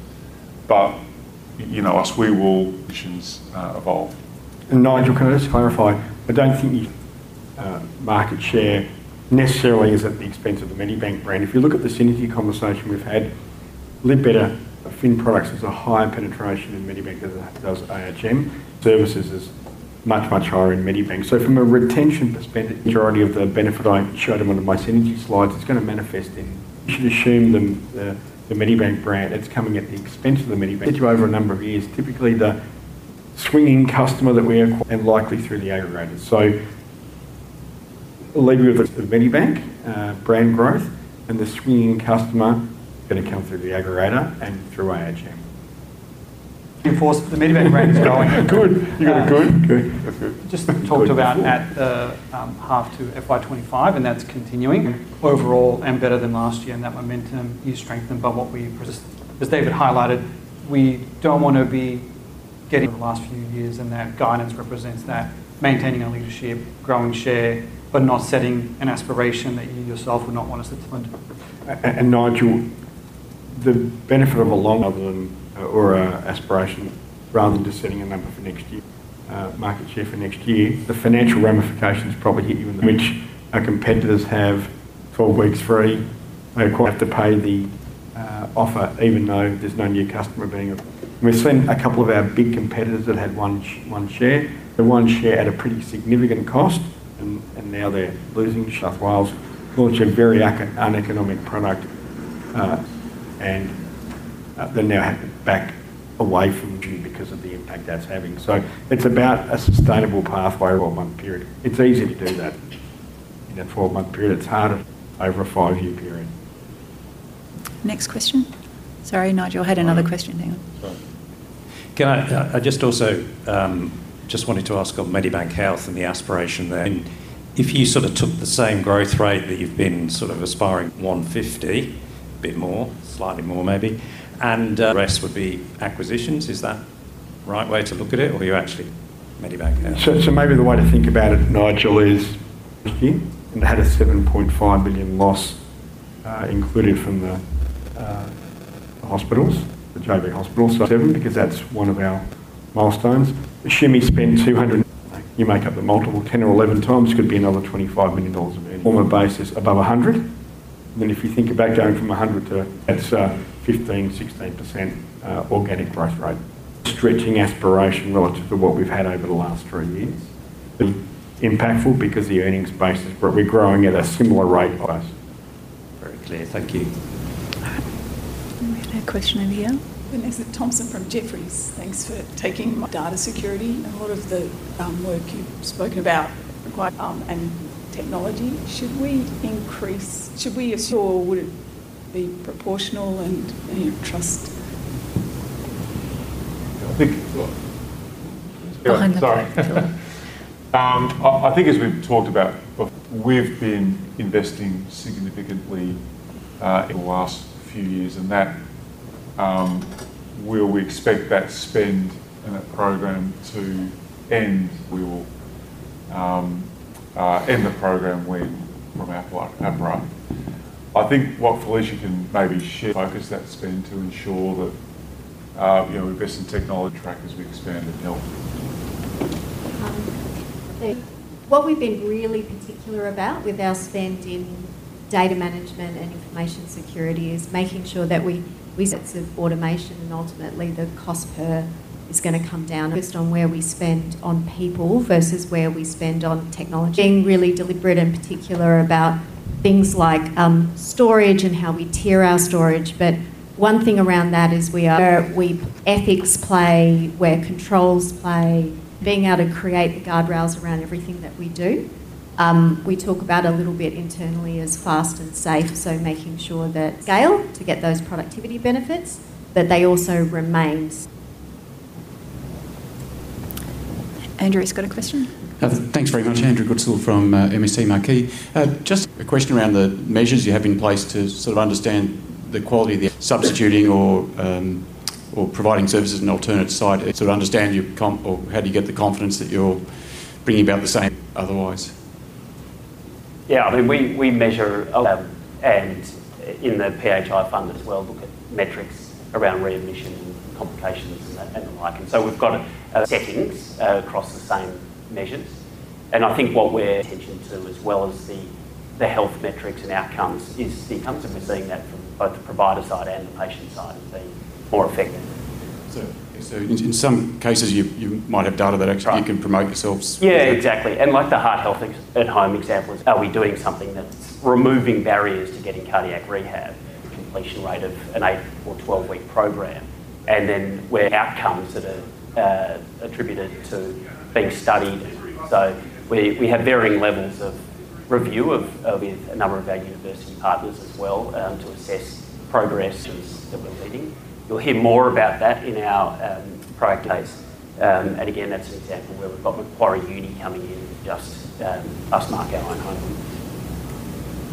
Speaker 12: You know us, we will evolve.
Speaker 7: Nigel, can I just clarify? I don't think market share necessarily is at the expense of the Medibank brand. If you look at the synergy conversation we've had, a little bit of Finn products has a high penetration in Medibank as does AHM. Services is much, much higher in Medibank. From a retention perspective, the majority of the benefit I showed in one of my synergy slides is going to manifest in. You should assume the Medibank brand, it's coming at the expense of the Medibank. You're over a number of years, typically the swinging customer that we acquire and likely through the aggregator. I'll leave you with the Medibank brand growth and the swinging customer going to come through the aggregator and through AHM.
Speaker 6: The Medibank brand is going.
Speaker 3: Good. You got a good. That's good.
Speaker 6: Just talked about at the half to FY 2025, and that's continuing overall and better than last year. That momentum is strengthened by what David just highlighted. We don't want to be getting the last few years, and that guidance represents that maintaining a leadership, growing share, but not setting an aspiration that you yourself would not want to.
Speaker 3: Nigel, the benefit of a long aspiration rather than just setting a number for next year, market share for next year, the financial ramifications probably hit you in the which our competitors have 12 weeks free. They have to pay the offer even though there's no new customer being. We've seen a couple of our big competitors that had one share. The one share at a pretty significant cost, and now they're losing South Wales. Launch a very uneconomic product. They're now having to back away from June because of the impact that's having. It's about a sustainable pathway. A four-month period. It's easy to do that in a four-month period. It's harder over a five-year period.
Speaker 16: Next question. Sorry, Nigel, I had another question. Hang on.
Speaker 17: I just wanted to ask on Medibank Health and the aspiration there. If you sort of took the same growth rate that you've been sort of aspiring, 150, a bit more, slightly more maybe, and the rest would be acquisitions, is that the right way to look at it, or are you actually Medibank Health?
Speaker 3: Maybe the way to think about it, Nigel, is here and had a 7.5 billion loss included from the hospitals, the JV hospitals. Seven because that's one of our milestones. Assuming you spend 200, you make up the multiple 10x or 11x, it could be another 25 million dollars a year. On a basis above 100. If you think about going from 100 to that's 15%, 16% organic growth rate. Stretching aspiration relative to what we've had over the last three years. The impactful because the earnings basis we're growing at a similar rate of.
Speaker 17: Very clear. Thank you.
Speaker 16: We had a question over here.
Speaker 18: This is Thompson from Jefferies. Thanks for taking my data security question. A lot of the work you've spoken about requires technology. Should we increase, should we assume, or would it be proportional and trust?
Speaker 3: I think as we've talked about before, we've been investing significantly in the last few years. We expect that spend and that program to end. We will end the program when from our brand. I think what Felicia can maybe share is focus that spend to ensure that we invest in technology track as we expand in health.
Speaker 5: What we've been really particular about with our spend in data management and information security is making sure that we automation, and ultimately the cost per is going to come down based on where we spend on people versus where we spend on technology. Being really deliberate and particular about things like storage and how we tier our storage. One thing around that is where ethics play, where controls play, being able to create the guardrails around everything that we do. We talk about it a little bit internally as fast and safe. Making sure that scale to get those productivity benefits, but they also remain.
Speaker 16: Wilson's got a question.
Speaker 19: Thanks very much. Andrew Goodsall from MST Marquee. Just a question around the measures you have in place to understand the quality of substituting or providing services in an alternate site. To understand your comp, or how do you get the confidence that you're bringing about the same otherwise?
Speaker 6: Yeah, I mean, we measure in the PHI fund as well, look at metrics around readmission and complications and the like. We've got settings across the same measures. I think what we're attention to as well as the health metrics and outcomes is the outcomes. We're seeing that from both the provider side and the patient side as being more effective.
Speaker 19: In some cases, you might have data that actually you can promote yourselves.
Speaker 6: Yeah, exactly. Like the heart health at home example, are we doing something that's removing barriers to getting cardiac rehab? Completion rate of an 8 or 12-week program, and then where outcomes that are attributed to being studied. We have varying levels of review with a number of our university partners as well to assess progress that we're leading. You'll hear more about that in our proactive case. That's an example where we've got Macquarie Uni coming in and just us, Mark, our own home.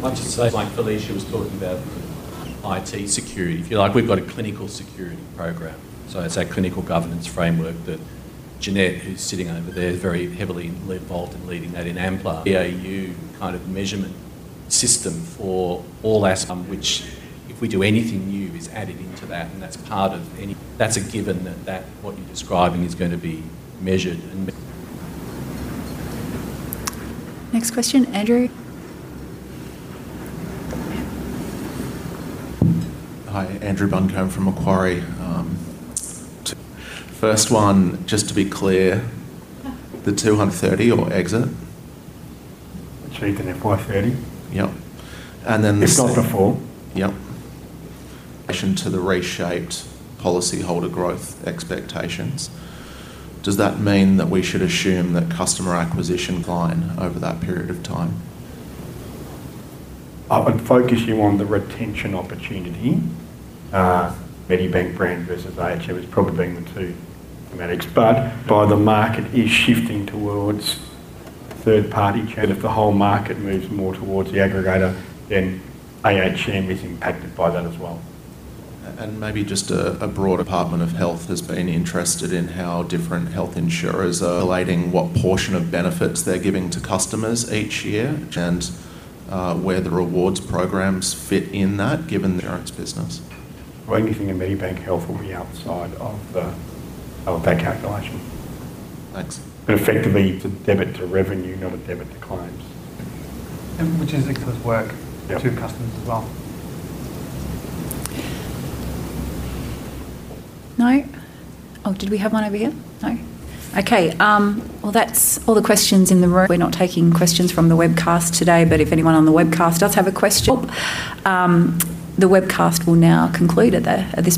Speaker 12: I'd just say like Felicia was talking about the IT security. If you like, we've got a clinical security program. It's our clinical governance framework that Jeanette, who's sitting over there, is very heavily involved in leading that in Amplar Health. An AAU kind of measurement system for all aspects, which if we do anything new is added into that. That's part of any. That's a given that what you're describing is going to be measured.
Speaker 16: Next question, Andrew.
Speaker 20: Hi, Andrew Buncombe from Macquarie. First one, just to be clear, the 230 million or exit?
Speaker 3: Let's read the FY 30.
Speaker 20: Yep. Then.
Speaker 3: It's after 4:00 P.M.
Speaker 20: In relation to the reshaped policyholder growth expectations, does that mean that we should assume that customer acquisition line over that period of time?
Speaker 6: I'm focusing on the retention opportunity. Medibank brand versus AHM is probably being the two dramatics. The market is shifting towards third-party. If the whole market moves more towards the aggregator, then AHM is impacted by that as well.
Speaker 3: The broader Department of Health has been interested in how different health insurers are relating what portion of benefits they're giving to customers each year, and where the rewards programs fit in that given the insurance business. Ranging thing in Medibank Health will be outside of that calculation.
Speaker 20: Thanks.
Speaker 3: Effectively, it's a debit to revenue, not a debit to claims.
Speaker 6: This is excess work to customers as well.
Speaker 5: Did we have one over here? No? Okay. That is all the questions in the room. We're not taking questions from the webcast today. If anyone on the webcast does have a question, the webcast will now conclude at this.